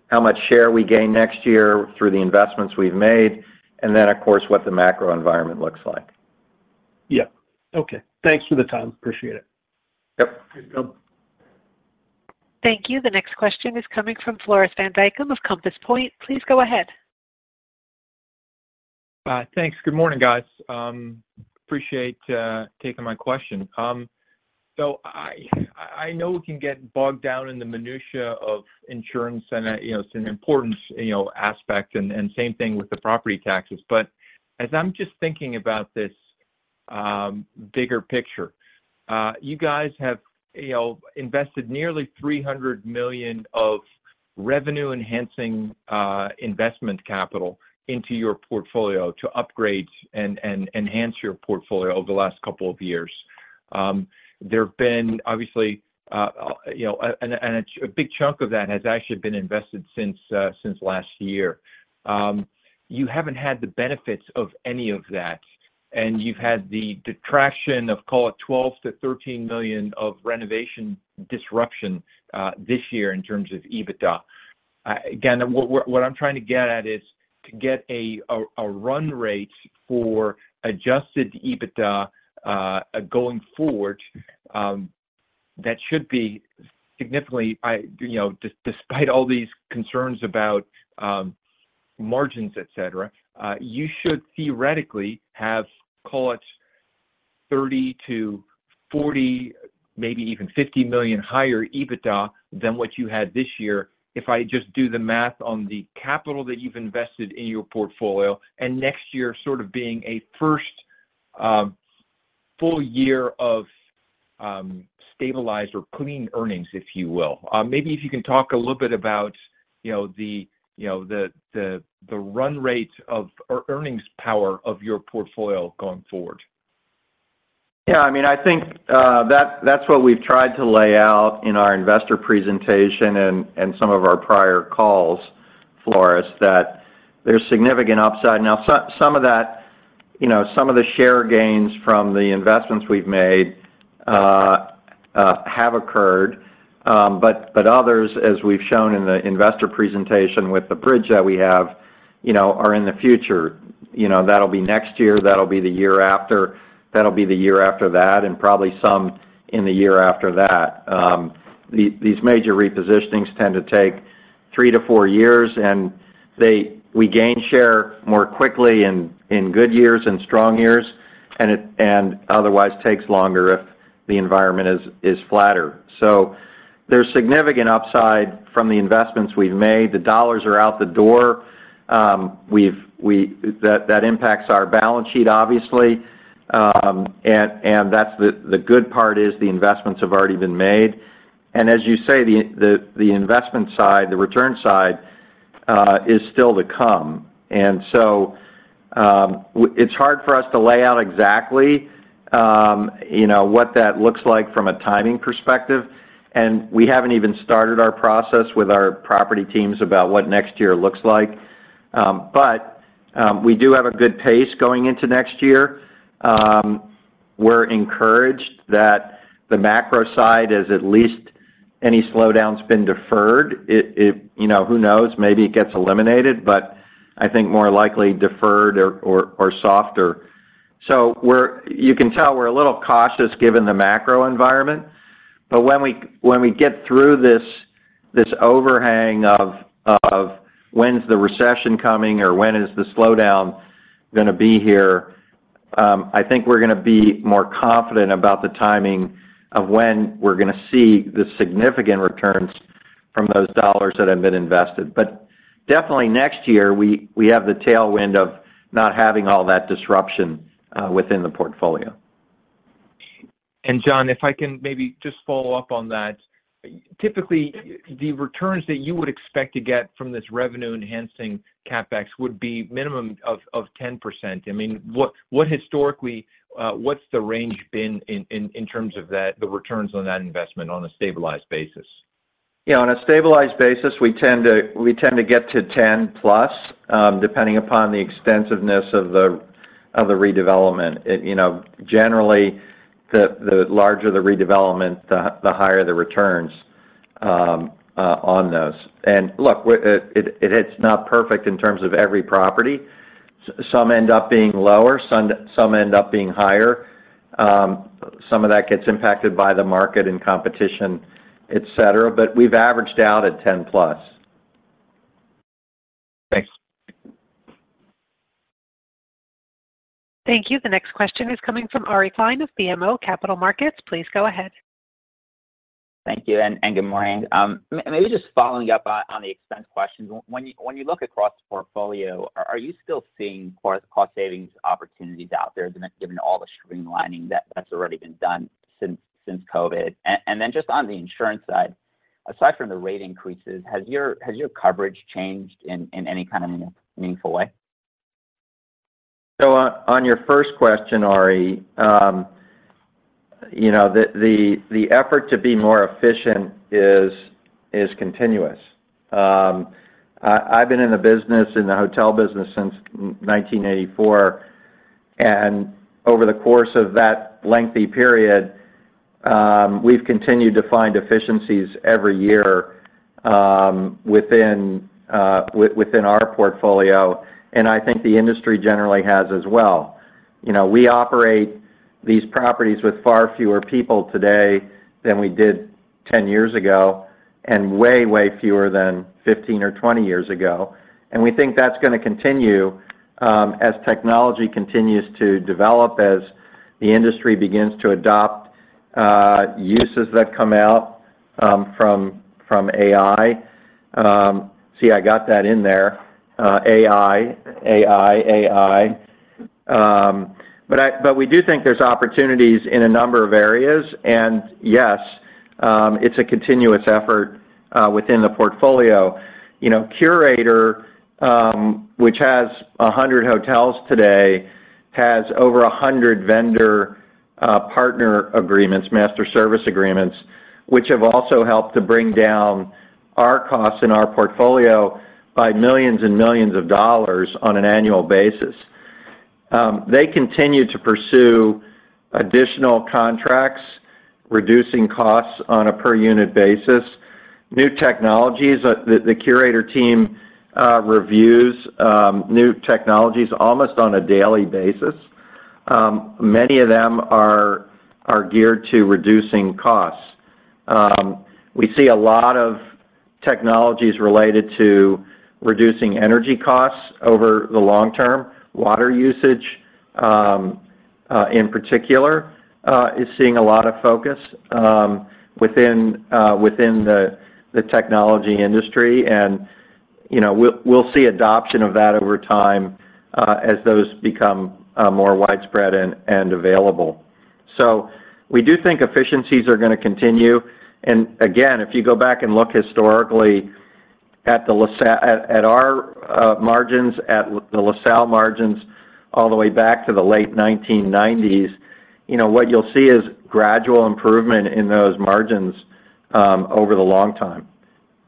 how much share we gain next year through the investments we've made, and then, of course, what the macro environment looks like. Yeah. Okay. Thanks for the time. Appreciate it. Yep. Thank you. The next question is coming from Floris van Dijkum of Compass Point. Please go ahead. Thanks. Good morning, guys. Appreciate taking my question. So I know we can get bogged down in the minutiae of insurance, and you know, it's an important you know aspect and same thing with the property taxes. But as I'm just thinking about this bigger picture, you guys have you know invested nearly $300 million of revenue-enhancing investment capital into your portfolio to upgrade and enhance your portfolio over the last couple of years. There have been, obviously, you know, and a big chunk of that has actually been invested since last year. You haven't had the benefits of any of that, and you've had the detraction of, call it, $12 million-$13 million of renovation disruption this year in terms of EBITDA. Again, what I'm trying to get at is to get a run rate for Adjusted EBITDA going forward that should be significantly... I know, despite all these concerns about margins, et cetera, you should theoretically have, call it, $30 million-$40 million, maybe even $50 million higher EBITDA than what you had this year, if I just do the math on the capital that you've invested in your portfolio, and next year sort of being a first full year of stabilized or clean earnings, if you will. Maybe if you can talk a little bit about, you know, the run rates of, or earnings power of your portfolio going forward. Yeah, I mean, I think that that's what we've tried to lay out in our investor presentation and some of our prior calls, Floris, that there's significant upside. Now, so some of that, you know, some of the share gains from the investments we've made have occurred, but others, as we've shown in the investor presentation with the bridge that we have, you know, are in the future. You know, that'll be next year, that'll be the year after, that'll be the year after that, and probably some in the year after that. These major repositionings tend to take three to four years, and we gain share more quickly in good years and strong years, and otherwise takes longer if the environment is flatter. So there's significant upside from the investments we've made. The dollars are out the door. We've, we-- That impacts our balance sheet, obviously, and that's the... The good part is the investments have already been made. As you say, the investment side, the return side, is still to come. It's hard for us to lay out exactly, you know, what that looks like from a timing perspective, and we haven't even started our process with our property teams about what next year looks like. We do have a good pace going into next year. We're encouraged that the macro side is at least any slowdown's been deferred. It, you know, who knows? Maybe it gets eliminated, but I think more likely deferred or, or, or softer. You can tell we're a little cautious given the macro environment, but when we get through this overhang of when's the recession coming or when is the slowdown gonna be here, I think we're gonna be more confident about the timing of when we're gonna see the significant returns from those dollars that have been invested. But definitely next year, we have the tailwind of not having all that disruption within the portfolio. And Jon, if I can maybe just follow up on that. Typically, the returns that you would expect to get from this revenue-enhancing CapEx would be minimum of, of 10%. I mean, what historically, what's the range been in terms of that, the returns on that investment on a stabilized basis? Yeah, on a stabilized basis, we tend to get to 10+, depending upon the extensiveness of the redevelopment. It, you know, generally, the larger the redevelopment, the higher the returns on those. And look, it, it's not perfect in terms of every property. Some end up being lower, some end up being higher. Some of that gets impacted by the market and competition, et cetera, but we've averaged out at 10+. Thank you. The next question is coming from Ari Klein of BMO Capital Markets. Please go ahead. Thank you, and good morning. Maybe just following up on the expense question. When you look across the portfolio, are you still seeing cost savings opportunities out there, given all the streamlining that has already been done since COVID? And then just on the insurance side, aside from the rate increases, has your coverage changed in any kind of meaningful way? So, on your first question, Ari, you know, the effort to be more efficient is continuous. I've been in the business, in the hotel business since 1984, and over the course of that lengthy period, we've continued to find efficiencies every year within our portfolio, and I think the industry generally has as well. You know, we operate these properties with far fewer people today than we did 10 years ago, and way, way fewer than 15 or 20 years ago. And we think that's going to continue as technology continues to develop, as the industry begins to adopt uses that come out from AI. See, I got that in there, AI, AI, AI. But we do think there's opportunities in a number of areas, and yes, it's a continuous effort within the portfolio. You know, Curator, which has 100 hotels today, has over 100 vendor partner agreements, master service agreements, which have also helped to bring down our costs and our portfolio by millions and millions of dollars on an annual basis. They continue to pursue additional contracts, reducing costs on a per unit basis. New technologies, the Curator team reviews new technologies almost on a daily basis. Many of them are geared to reducing costs. We see a lot of technologies related to reducing energy costs over the long term. Water usage, in particular, is seeing a lot of focus within the technology industry, and, you know, we'll see adoption of that over time as those become more widespread and available. So we do think efficiencies are going to continue, and again, if you go back and look historically at the LaSalle margins, all the way back to the late 1990s, you know, what you'll see is gradual improvement in those margins over the long time.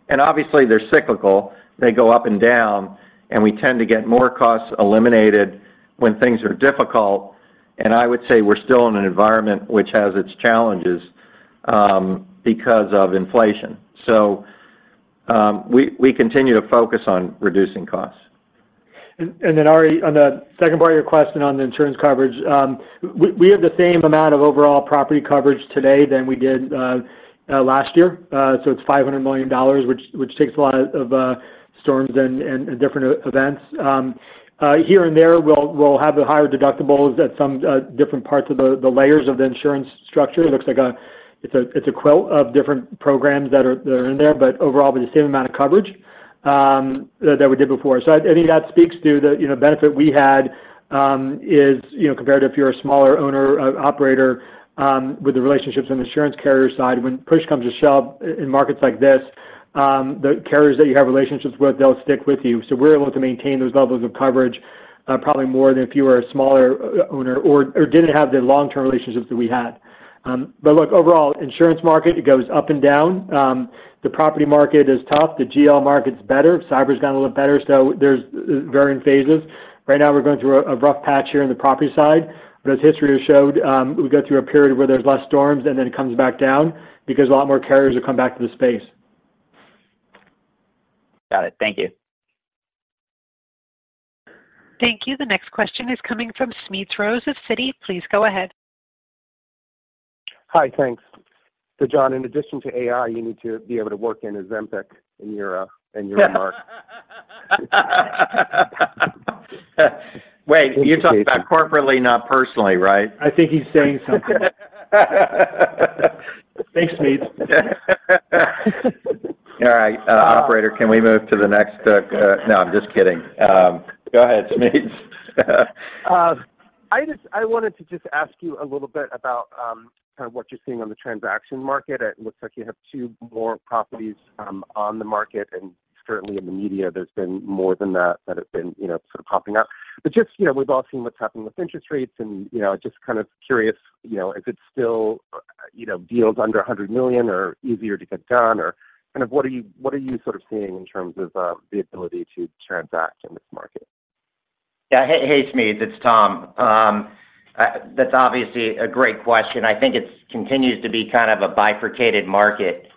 And obviously, they're cyclical. They go up and down, and we tend to get more costs eliminated when things are difficult, and I would say we're still in an environment which has its challenges because of inflation. So we continue to focus on reducing costs. And then, Ari, on the second part of your question on the insurance coverage, we have the same amount of overall property coverage today than we did last year. So it's $500 million, which takes a lot of storms and different events. Here and there, we'll have the higher deductibles at some different parts of the layers of the insurance structure. It looks like a... It's a quilt of different programs that are in there, but overall, the same amount of coverage that we did before. So I think that speaks to the, you know, benefit we had compared to if you're a smaller owner operator with the relationships on the insurance carrier side, when push comes to shove in markets like this, the carriers that you have relationships with, they'll stick with you. So we're able to maintain those levels of coverage, probably more than if you were a smaller owner or didn't have the long-term relationships that we had. But look, overall, insurance market, it goes up and down. The property market is tough. The GL market's better. Cyber's gotten a little better, so there's varying phases. Right now, we're going through a rough patch here in the property side, but as history has showed, we go through a period where there's less storms, and then it comes back down because a lot more carriers will come back to the space. Got it. Thank you. Thank you. The next question is coming from Smedes Rose of Citi. Please go ahead. Hi, thanks. So, Jon, in addition to AI, you need to be able to work in Ozempic in your, in your mark. Wait, you're talking about corporately, not personally, right? I think he's saying something. Thanks, Smedes. All right. Operator, can we move to the next? No, I'm just kidding. Go ahead, Smedes. I just wanted to just ask you a little bit about, kind of what you're seeing on the transaction market. It looks like you have two more properties, on the market, and certainly in the media, there's been more than that, that have been, you know, sort of popping up. But just, you know, we've all seen what's happening with interest rates and, you know, just kind of curious, you know, is it still, you know, deals under $100 million are easier to get done or kind of what are you sort of seeing in terms of, the ability to transact in this market? Yeah. Hey, hey, Smedes, it's Tom. That's obviously a great question. I think it's continues to be kind of a bifurcated market,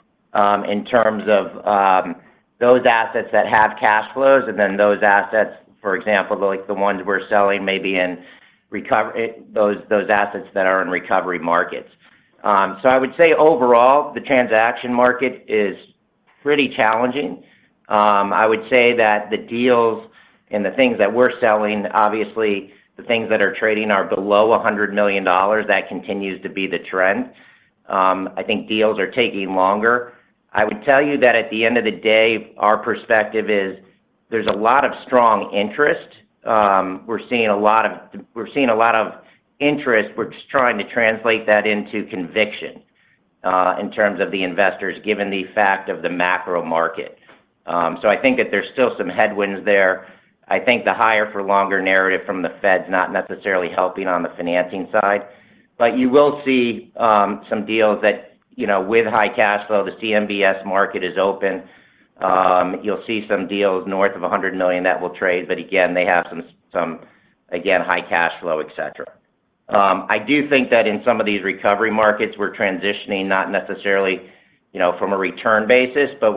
in terms of, those assets that have cash flows and then those assets, for example, like the ones we're selling, those assets that are in recovery markets. So I would say overall, the transaction market is pretty challenging. I would say that the deals and the things that we're selling, obviously, the things that are trading are below $100 million. That continues to be the trend. I think deals are taking longer. I would tell you that at the end of the day, our perspective is there's a lot of strong interest. We're seeing a lot of interest, we're just trying to translate that into conviction in terms of the investors, given the fact of the macro market. So I think that there's still some headwinds there. I think the higher for longer narrative from the Fed's not necessarily helping on the financing side, but you will see some deals that, you know, with high cash flow, the CMBS market is open. You'll see some deals north of $100 million that will trade, but again, they have some high cash flow, et cetera. I do think that in some of these recovery markets, we're transitioning, not necessarily, you know, from a return basis, but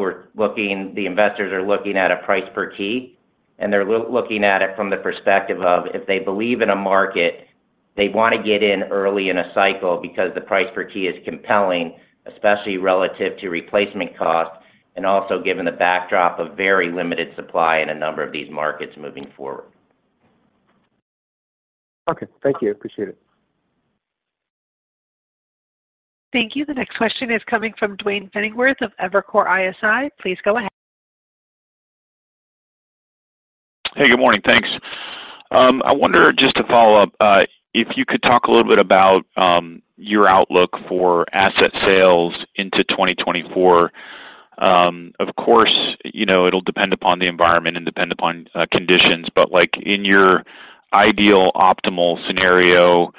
the investors are looking at a price per key, and they're looking at it from the perspective of if they believe in a market, they want to get in early in a cycle because the price per key is compelling, especially relative to replacement costs, and also given the backdrop of very limited supply in a number of these markets moving forward. Okay. Thank you. Appreciate it. Thank you. The next question is coming from Duane Pfennigwerth of Evercore ISI. Please go ahead. Hey, good morning. Thanks. I wonder, just to follow up, if you could talk a little bit about your outlook for asset sales into 2024. Of course, you know, it'll depend upon the environment and depend upon conditions, but, like, in your ideal optimal scenario,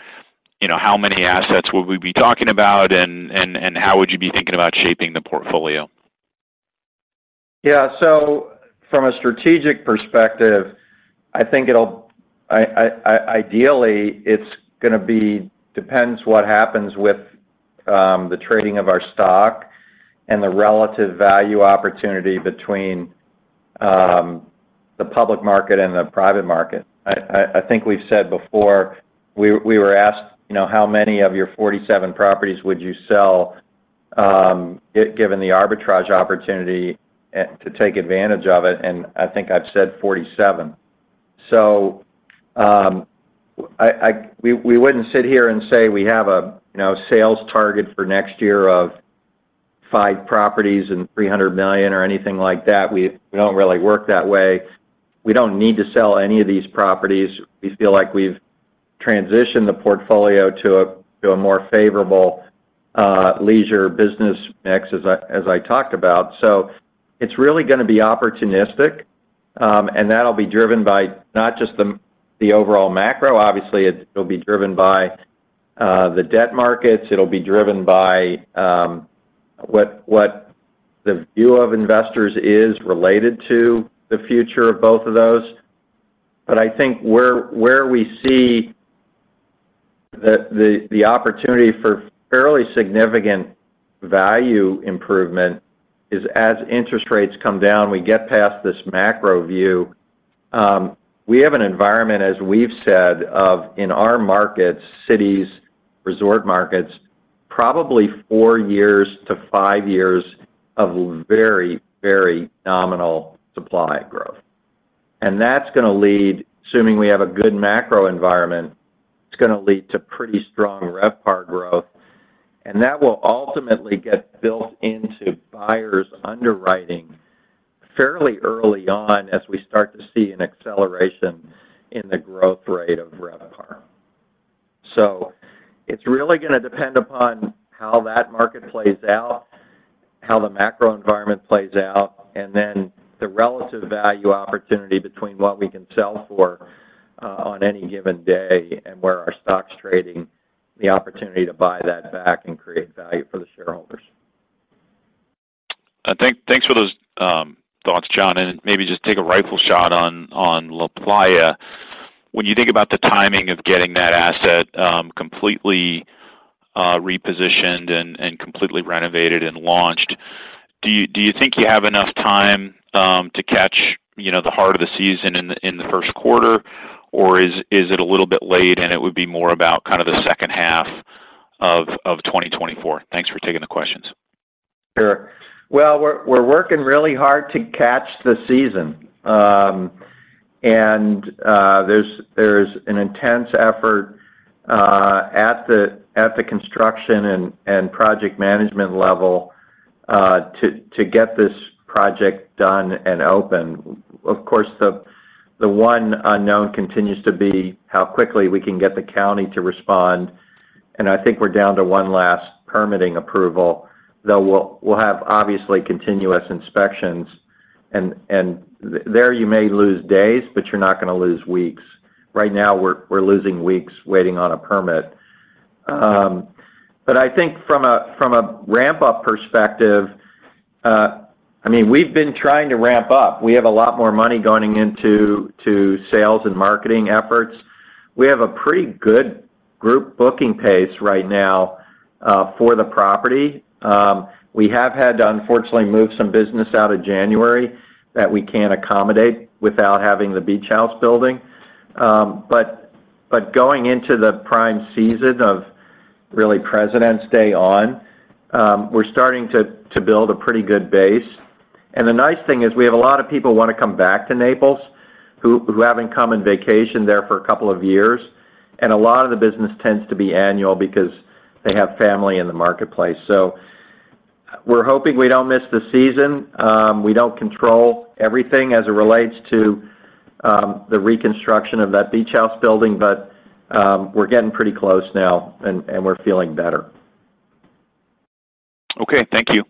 you know, how many assets would we be talking about and how would you be thinking about shaping the portfolio? Yeah. So from a strategic perspective, I think it'll... Ideally, it's going to be, depends what happens with the trading of our stock and the relative value opportunity between the public market and the private market. I think we've said before, we were asked, you know, "How many of your 47 properties would you sell, given the arbitrage opportunity to take advantage of it?" And I think I've said 47. So, we wouldn't sit here and say we have a, you know, sales target for next year of five properties and $300 million or anything like that. We don't really work that way. We don't need to sell any of these properties. We feel like we've transitioned the portfolio to a more favorable leisure business mix, as I talked about. So it's really going to be opportunistic, and that'll be driven by not just the overall macro. Obviously, it'll be driven by the debt markets, it'll be driven by what the view of investors is related to the future of both of those. But I think where we see the opportunity for fairly significant value improvement is as interest rates come down, we get past this macro view, we have an environment, as we've said, of in our markets, cities, resort markets, probably four years to five years of very, very nominal supply growth. That's going to lead, assuming we have a good macro environment, it's going to lead to pretty strong RevPAR growth, and that will ultimately get built into buyers' underwriting fairly early on as we start to see an acceleration in the growth rate of RevPAR. So it's really going to depend upon how that market plays out, how the macro environment plays out, and then the relative value opportunity between what we can sell for on any given day and where our stock's trading, the opportunity to buy that back and create value for the shareholders. Thanks for those thoughts, Jon, and maybe just take a rifle shot on LaPlaya. When you think about the timing of getting that asset completely repositioned and completely renovated and launched, do you think you have enough time to catch, you know, the heart of the season in the first quarter, or is it a little bit late and it would be more about kind of the second half of 2024? Thanks for taking the questions. Sure. Well, we're working really hard to catch the season. And there's an intense effort at the construction and project management level to get this project done and open. Of course, the one unknown continues to be how quickly we can get the county to respond, and I think we're down to one last permitting approval, though we'll have obviously continuous inspections. And there, you may lose days, but you're not going to lose weeks. Right now, we're losing weeks waiting on a permit. But I think from a ramp-up perspective, I mean, we've been trying to ramp up. We have a lot more money going into sales and marketing efforts. We have a pretty good group booking pace right now for the property. We have had to unfortunately move some business out of January that we can't accommodate without having the beach house building. But going into the prime season really Presidents' Day on, we're starting to build a pretty good base. And the nice thing is, we have a lot of people who wanna come back to Naples, who haven't come and vacationed there for a couple of years, and a lot of the business tends to be annual because they have family in the marketplace. So we're hoping we don't miss the season. We don't control everything as it relates to the reconstruction of that beach house building, but we're getting pretty close now and we're feeling better. Okay, thank you.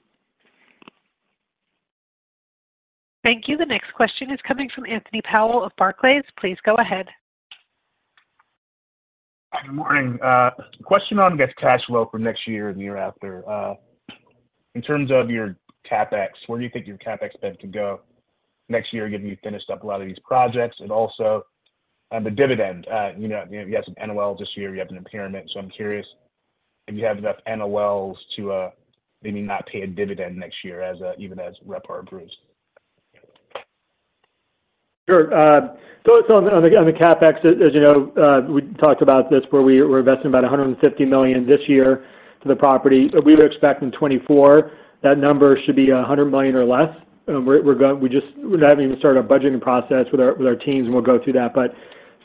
Thank you. The next question is coming from Anthony Powell of Barclays. Please go ahead. Good morning. Question on guidance cash flow for next year and the year after. In terms of your CapEx, where do you think your CapEx spend could go next year, given you finished up a lot of these projects? And also, the dividend, you know, you had some NOL this year, you have an impairment. So I'm curious if you have enough NOLs to maybe not pay a dividend next year as even as RevPAR improves. Sure. So on the CapEx, as you know, we talked about this, where we're investing about $150 million this year to the property. But we were expecting 2024, that number should be $100 million or less. We're having to start our budgeting process with our teams, and we'll go through that. But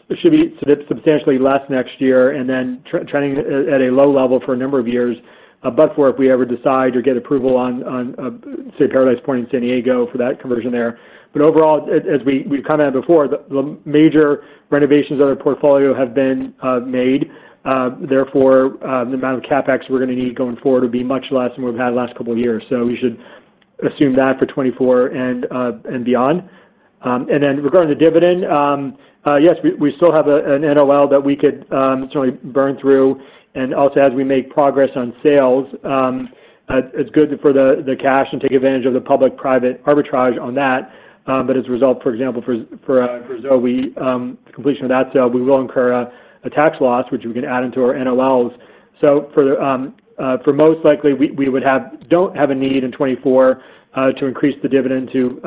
it should be substantially less next year, and then trending at a low level for a number of years. But for if we ever decide or get approval on, say, Paradise Point in San Diego, for that conversion there. But overall, as we've commented before, the major renovations on our portfolio have been made, therefore, the amount of CapEx we're going to need going forward will be much less than we've had the last couple of years. So we should assume that for 2024 and beyond. And then regarding the dividend, yes, we still have an NOL that we could certainly burn through. And also, as we make progress on sales, it's good for the cash and take advantage of the public-private arbitrage on that. But as a result, for example, for Zoe, the completion of that sale, we will incur a tax loss, which we can add into our NOLs. So for most likely, we don't have a need in 2024 to increase the dividend to...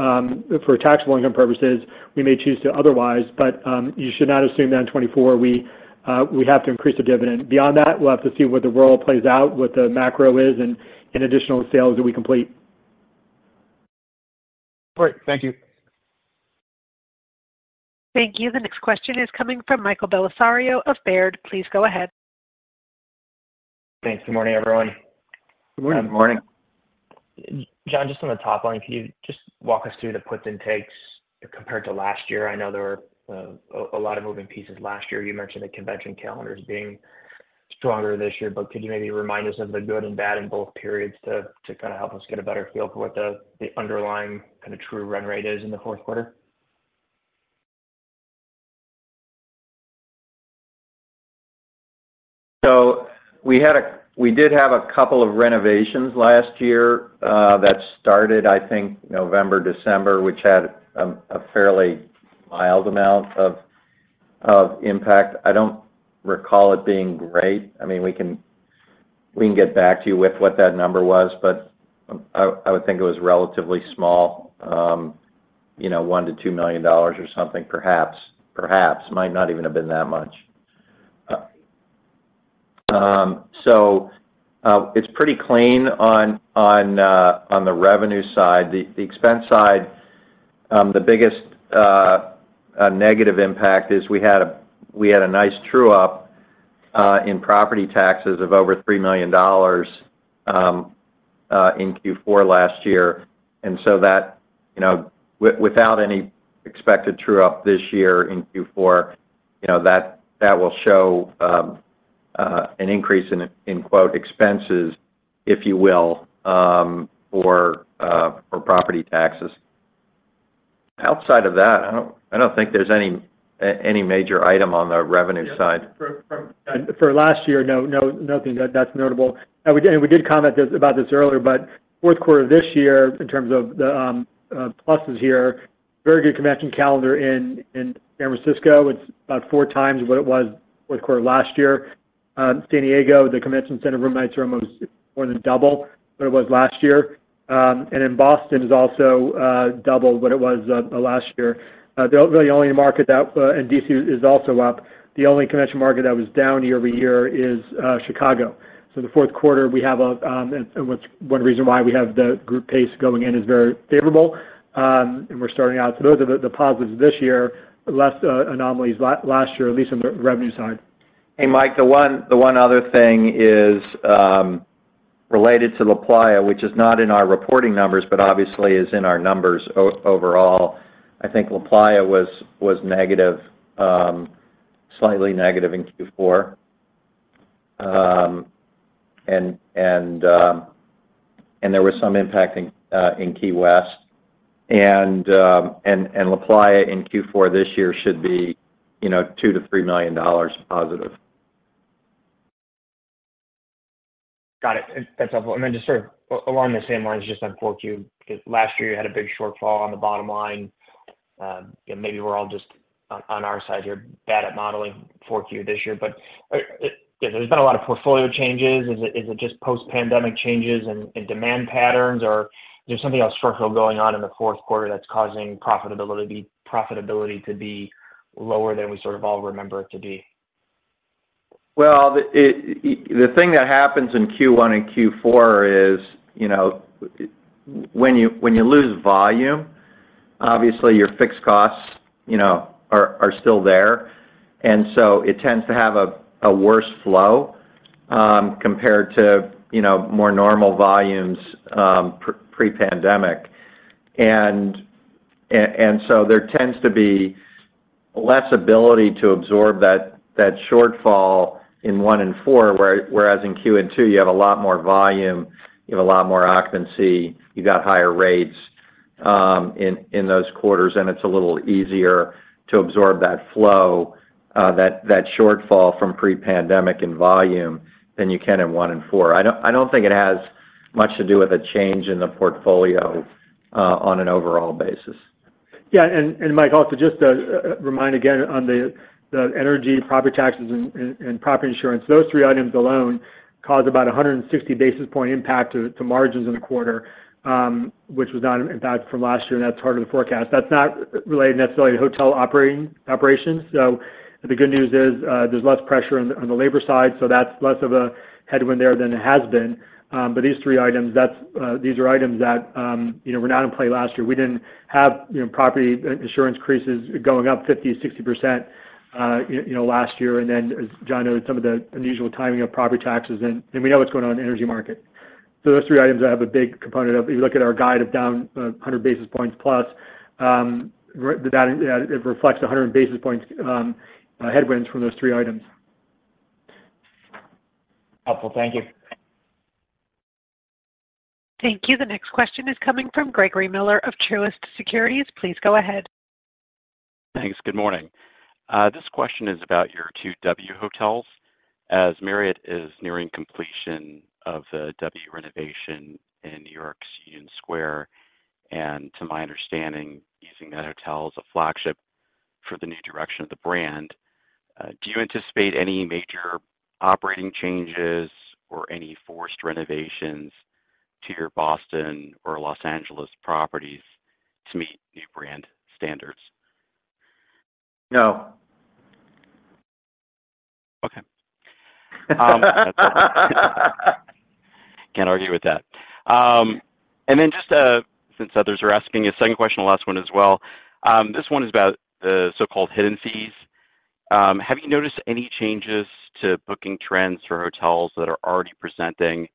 For taxable income purposes, we may choose to otherwise, but you should not assume that in 2024, we have to increase the dividend. Beyond that, we'll have to see what the roll plays out, what the macro is, and in additional sales that we complete. Great. Thank you. Thank you. The next question is coming from Michael Bellisario of Baird. Please go ahead. Thanks. Good morning, everyone. Good morning. Good morning. Jon, just on the top line, can you just walk us through the puts and takes compared to last year? I know there were a lot of moving pieces last year. You mentioned the convention calendars being stronger this year, but could you maybe remind us of the good and bad in both periods to kind of help us get a better feel for what the underlying kind of true run rate is in the fourth quarter? We did have a couple of renovations last year that started, I think, November, December, which had a fairly mild amount of impact. I don't recall it being great. I mean, we can get back to you with what that number was, but I would think it was relatively small, you know, $1 million-$2 million or something, perhaps. Perhaps, might not even have been that much. It's pretty clean on the revenue side. The expense side, the biggest negative impact is we had a nice true-up in property taxes of over $3 million in Q4 last year. So that, you know, without any expected true-up this year in Q4, you know, that will show an increase in quote "expenses" if you will for property taxes. Outside of that, I don't think there's any major item on the revenue side. Yeah. For last year, no, nothing that's notable. And we did comment about this earlier, but fourth quarter this year, in terms of the pluses here, very good convention calendar in San Francisco. It's about four times what it was fourth quarter last year. San Diego, the Convention Center room nights are almost more than double what it was last year. And in Boston, it's also double what it was last year. The only market that... And D.C. is also up. The only convention market that was down year-over-year is Chicago. So the fourth quarter, we have one reason why we have the group pace going in is very favorable, and we're starting out. So those are the positives this year, less anomalies last year, at least on the revenue side. Hey, Mike, the one other thing is related to LaPlaya, which is not in our reporting numbers, but obviously is in our numbers overall. I think LaPlaya was negative, slightly negative in Q4. And there was some impact in Key West. And LaPlaya in Q4 this year should be, you know, $2 million-$3 million positive. Got it. That's helpful. And then just sort of along the same lines, just on Q4, 'cause last year, you had a big shortfall on the bottom line. Maybe we're all just on our side, we're bad at modeling Q4 this year, but there's been a lot of portfolio changes. Is it just post-pandemic changes and demand patterns, or there's something else structural going on in the fourth quarter that's causing profitability to be lower than we sort of all remember it to be? Well, the thing that happens in Q1 and Q4 is, you know, when you lose volume, obviously, your fixed costs, you know, are still there, and so it tends to have a worse flow compared to, you know, more normal volumes pre-pandemic. And so there tends to be less ability to absorb that shortfall in 1 and 4, whereas in Q2, you have a lot more volume, you have a lot more occupancy, you got higher rates in those quarters, and it's a little easier to absorb that flow, that shortfall from pre-pandemic in volume than you can in 1 and 4. I don't think it has much to do with a change in the portfolio on an overall basis. Yeah, Mike, also just to remind again on the energy, property taxes, and property insurance, those three items alone cause about a 160 basis point impact to margins in the quarter, which was not impact from last year, and that's harder to forecast. That's not related necessarily to hotel operating operations. The good news is, there's less pressure on the labor side, so that's less of a headwind there than it has been. These three items, these are items that, you know, were not in play last year. We didn't have, you know, property insurance increases going up 50-60%, you know, last year. And then, as Jon noted, some of the unusual timing of property taxes, and we know what's going on in the energy market. So those three items have a big component of... If you look at our guide of down 100 basis points plus, it reflects 100 basis points headwinds from those three items. Helpful. Thank you. Thank you. The next question is coming from Gregory Miller of Truist Securities. Please go ahead. Thanks. Good morning. This question is about your two W hotels. As Marriott is nearing completion of the W renovation in New York's Union Square, and to my understanding, using that hotel as a flagship for the new direction of the brand, do you anticipate any major operating changes or any forced renovations to your Boston or Los Angeles properties to meet new brand standards? No. Okay. Can't argue with that. And then just, since others are asking a second question, the last one as well. This one is about the so-called hidden fees. Have you noticed any changes to booking trends for hotels that are already presenting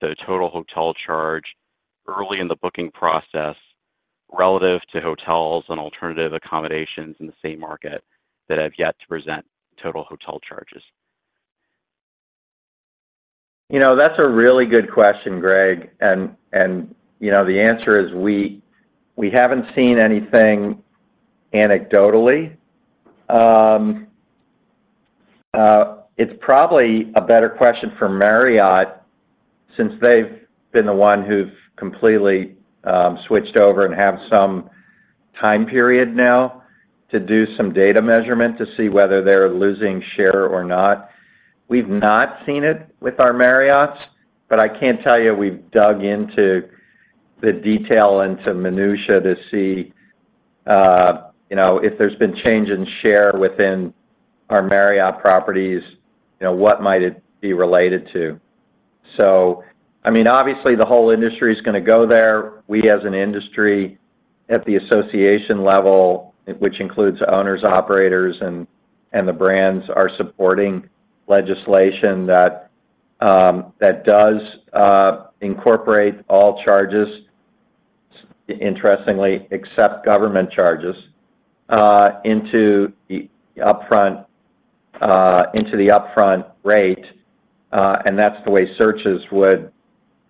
the total hotel charge early in the booking process, relative to hotels and alternative accommodations in the same market that have yet to present total hotel charges? You know, that's a really good question, Greg. You know, the answer is, we haven't seen anything anecdotally. It's probably a better question for Marriott since they've been the one who's completely switched over and have some time period now to do some data measurement to see whether they're losing share or not. We've not seen it with our Marriotts, but I can't tell you, we've dug into the detail into minutia to see, you know, if there's been change in share within our Marriott properties, you know, what might it be related to? So, I mean, obviously, the whole industry is gonna go there. We, as an industry, at the association level, which includes owners, operators, and the brands, are supporting legislation that does incorporate all charges, interestingly, except government charges, into the upfront rate, and that's the way searches would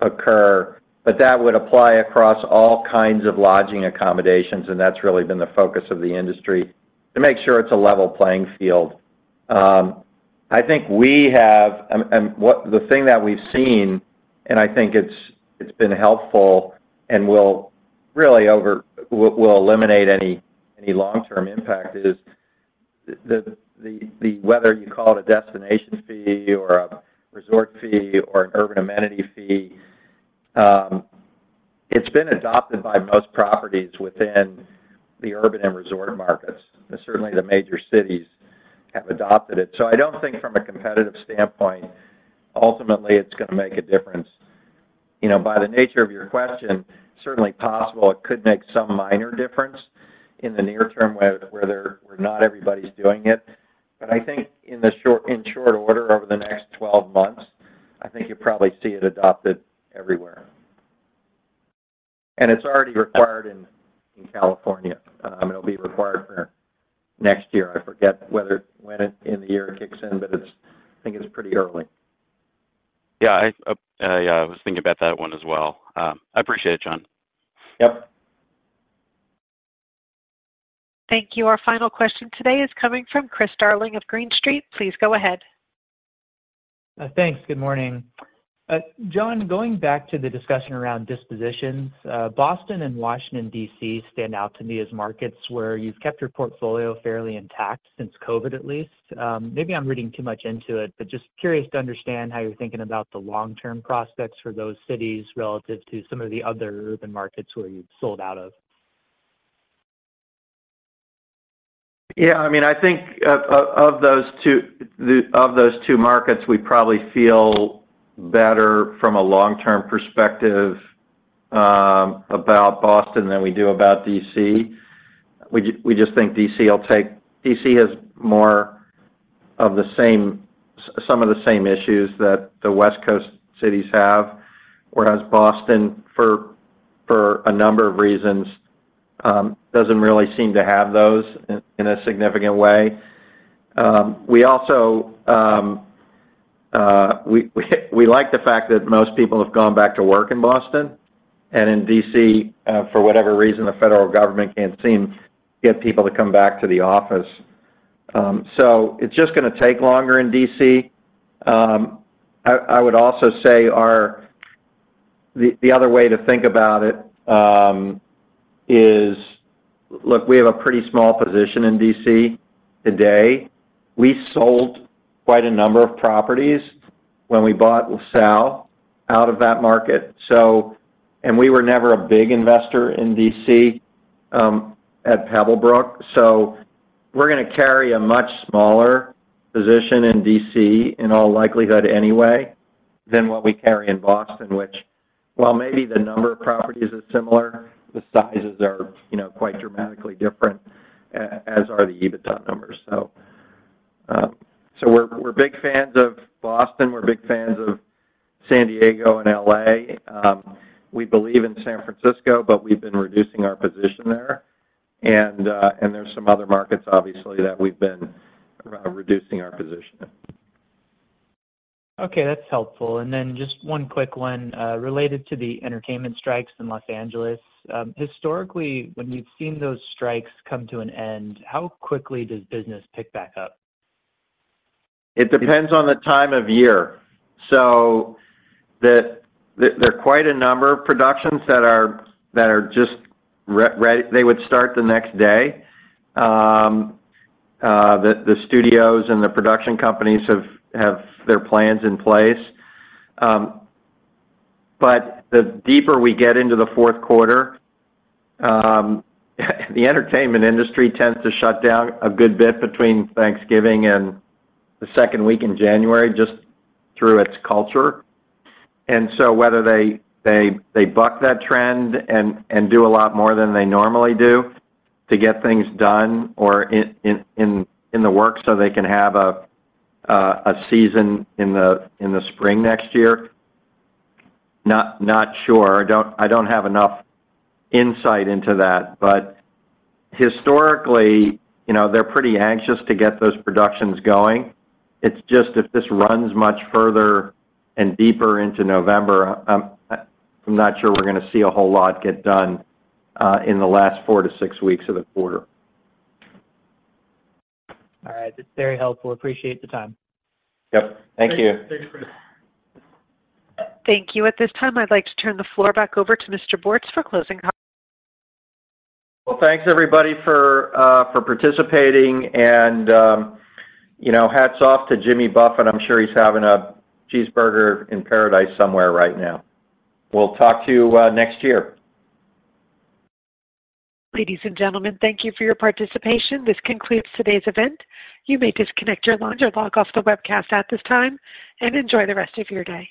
occur. But that would apply across all kinds of lodging accommodations, and that's really been the focus of the industry, to make sure it's a level playing field. The thing that we've seen, and I think it's been helpful and will eliminate any long-term impact, is whether you call it a destination fee or a resort fee or an urban amenity fee, it's been adopted by most properties within the urban and resort markets. Certainly, the major cities have adopted it. So I don't think from a competitive standpoint, ultimately, it's gonna make a difference. You know, by the nature of your question, certainly possible, it could make some minor difference in the near term, where not everybody's doing it. But I think in short order, over the next 12 months, I think you'll probably see it adopted everywhere. And it's already required in California. It'll be required for next year. I forget whether when in the year it kicks in, but it's, I think it's pretty early. Yeah, yeah, I was thinking about that one as well. I appreciate it, Jon. Yep. Thank you. Our final question today is coming from Chris Darling of Green Street. Please go ahead. Thanks. Good morning. Jon, going back to the discussion around dispositions, Boston and Washington, D.C., stand out to me as markets where you've kept your portfolio fairly intact since COVID, at least. Maybe I'm reading too much into it, but just curious to understand how you're thinking about the long-term prospects for those cities relative to some of the other urban markets where you've sold out of? Yeah, I mean, I think, of those two, the, of those two markets, we probably feel better from a long-term perspective, about Boston than we do about D.C. We just think D.C. will take-- D.C. has more of the same, some of the same issues that the West Coast cities have, whereas Boston, for a number of reasons, doesn't really seem to have those in a significant way. We also, we like the fact that most people have gone back to work in Boston and in D.C., for whatever reason, the federal government can't seem to get people to come back to the office. So it's just gonna take longer in D.C. I would also say our-- the other way to think about it, is... Look, we have a pretty small position in D.C. today. We sold quite a number of properties when we bought LaSalle out of that market, so. And we were never a big investor in D.C., at Pebblebrook. So we're gonna carry a much smaller position in D.C., in all likelihood anyway, than what we carry in Boston, which, while maybe the number of properties is similar, the sizes are, you know, quite dramatically different, as are the EBITDA numbers. So, we're big fans of Boston, we're big fans of San Diego and L.A. We believe in San Francisco, but we've been reducing our position there. And, there's some other markets, obviously, that we've been reducing our position in. Okay, that's helpful. And then just one quick one, related to the entertainment strikes in Los Angeles. Historically, when we've seen those strikes come to an end, how quickly does business pick back up? It depends on the time of year. So there are quite a number of productions that are just they would start the next day. The studios and the production companies have their plans in place. But the deeper we get into the fourth quarter, the entertainment industry tends to shut down a good bit between Thanksgiving and the second week in January, just through its culture. And so whether they they buck that trend and do a lot more than they normally do to get things done or in the works so they can have a season in the spring next year, not sure. I don't have enough insight into that. But historically, you know, they're pretty anxious to get those productions going. It's just if this runs much further and deeper into November, I'm not sure we're gonna see a whole lot get done in the last 4-6 weeks of the quarter. All right. That's very helpful. Appreciate the time. Yep. Thank you. Thanks, Chris. Thank you. At this time, I'd like to turn the floor back over to Mr. Bortz for closing comments. Well, thanks, everybody, for participating, and, you know, hats off to Jimmy Buffett. I'm sure he's having a cheeseburger in paradise somewhere right now. We'll talk to you next year. Ladies and gentlemen, thank you for your participation. This concludes today's event. You may disconnect your line or log off the webcast at this time, and enjoy the rest of your day.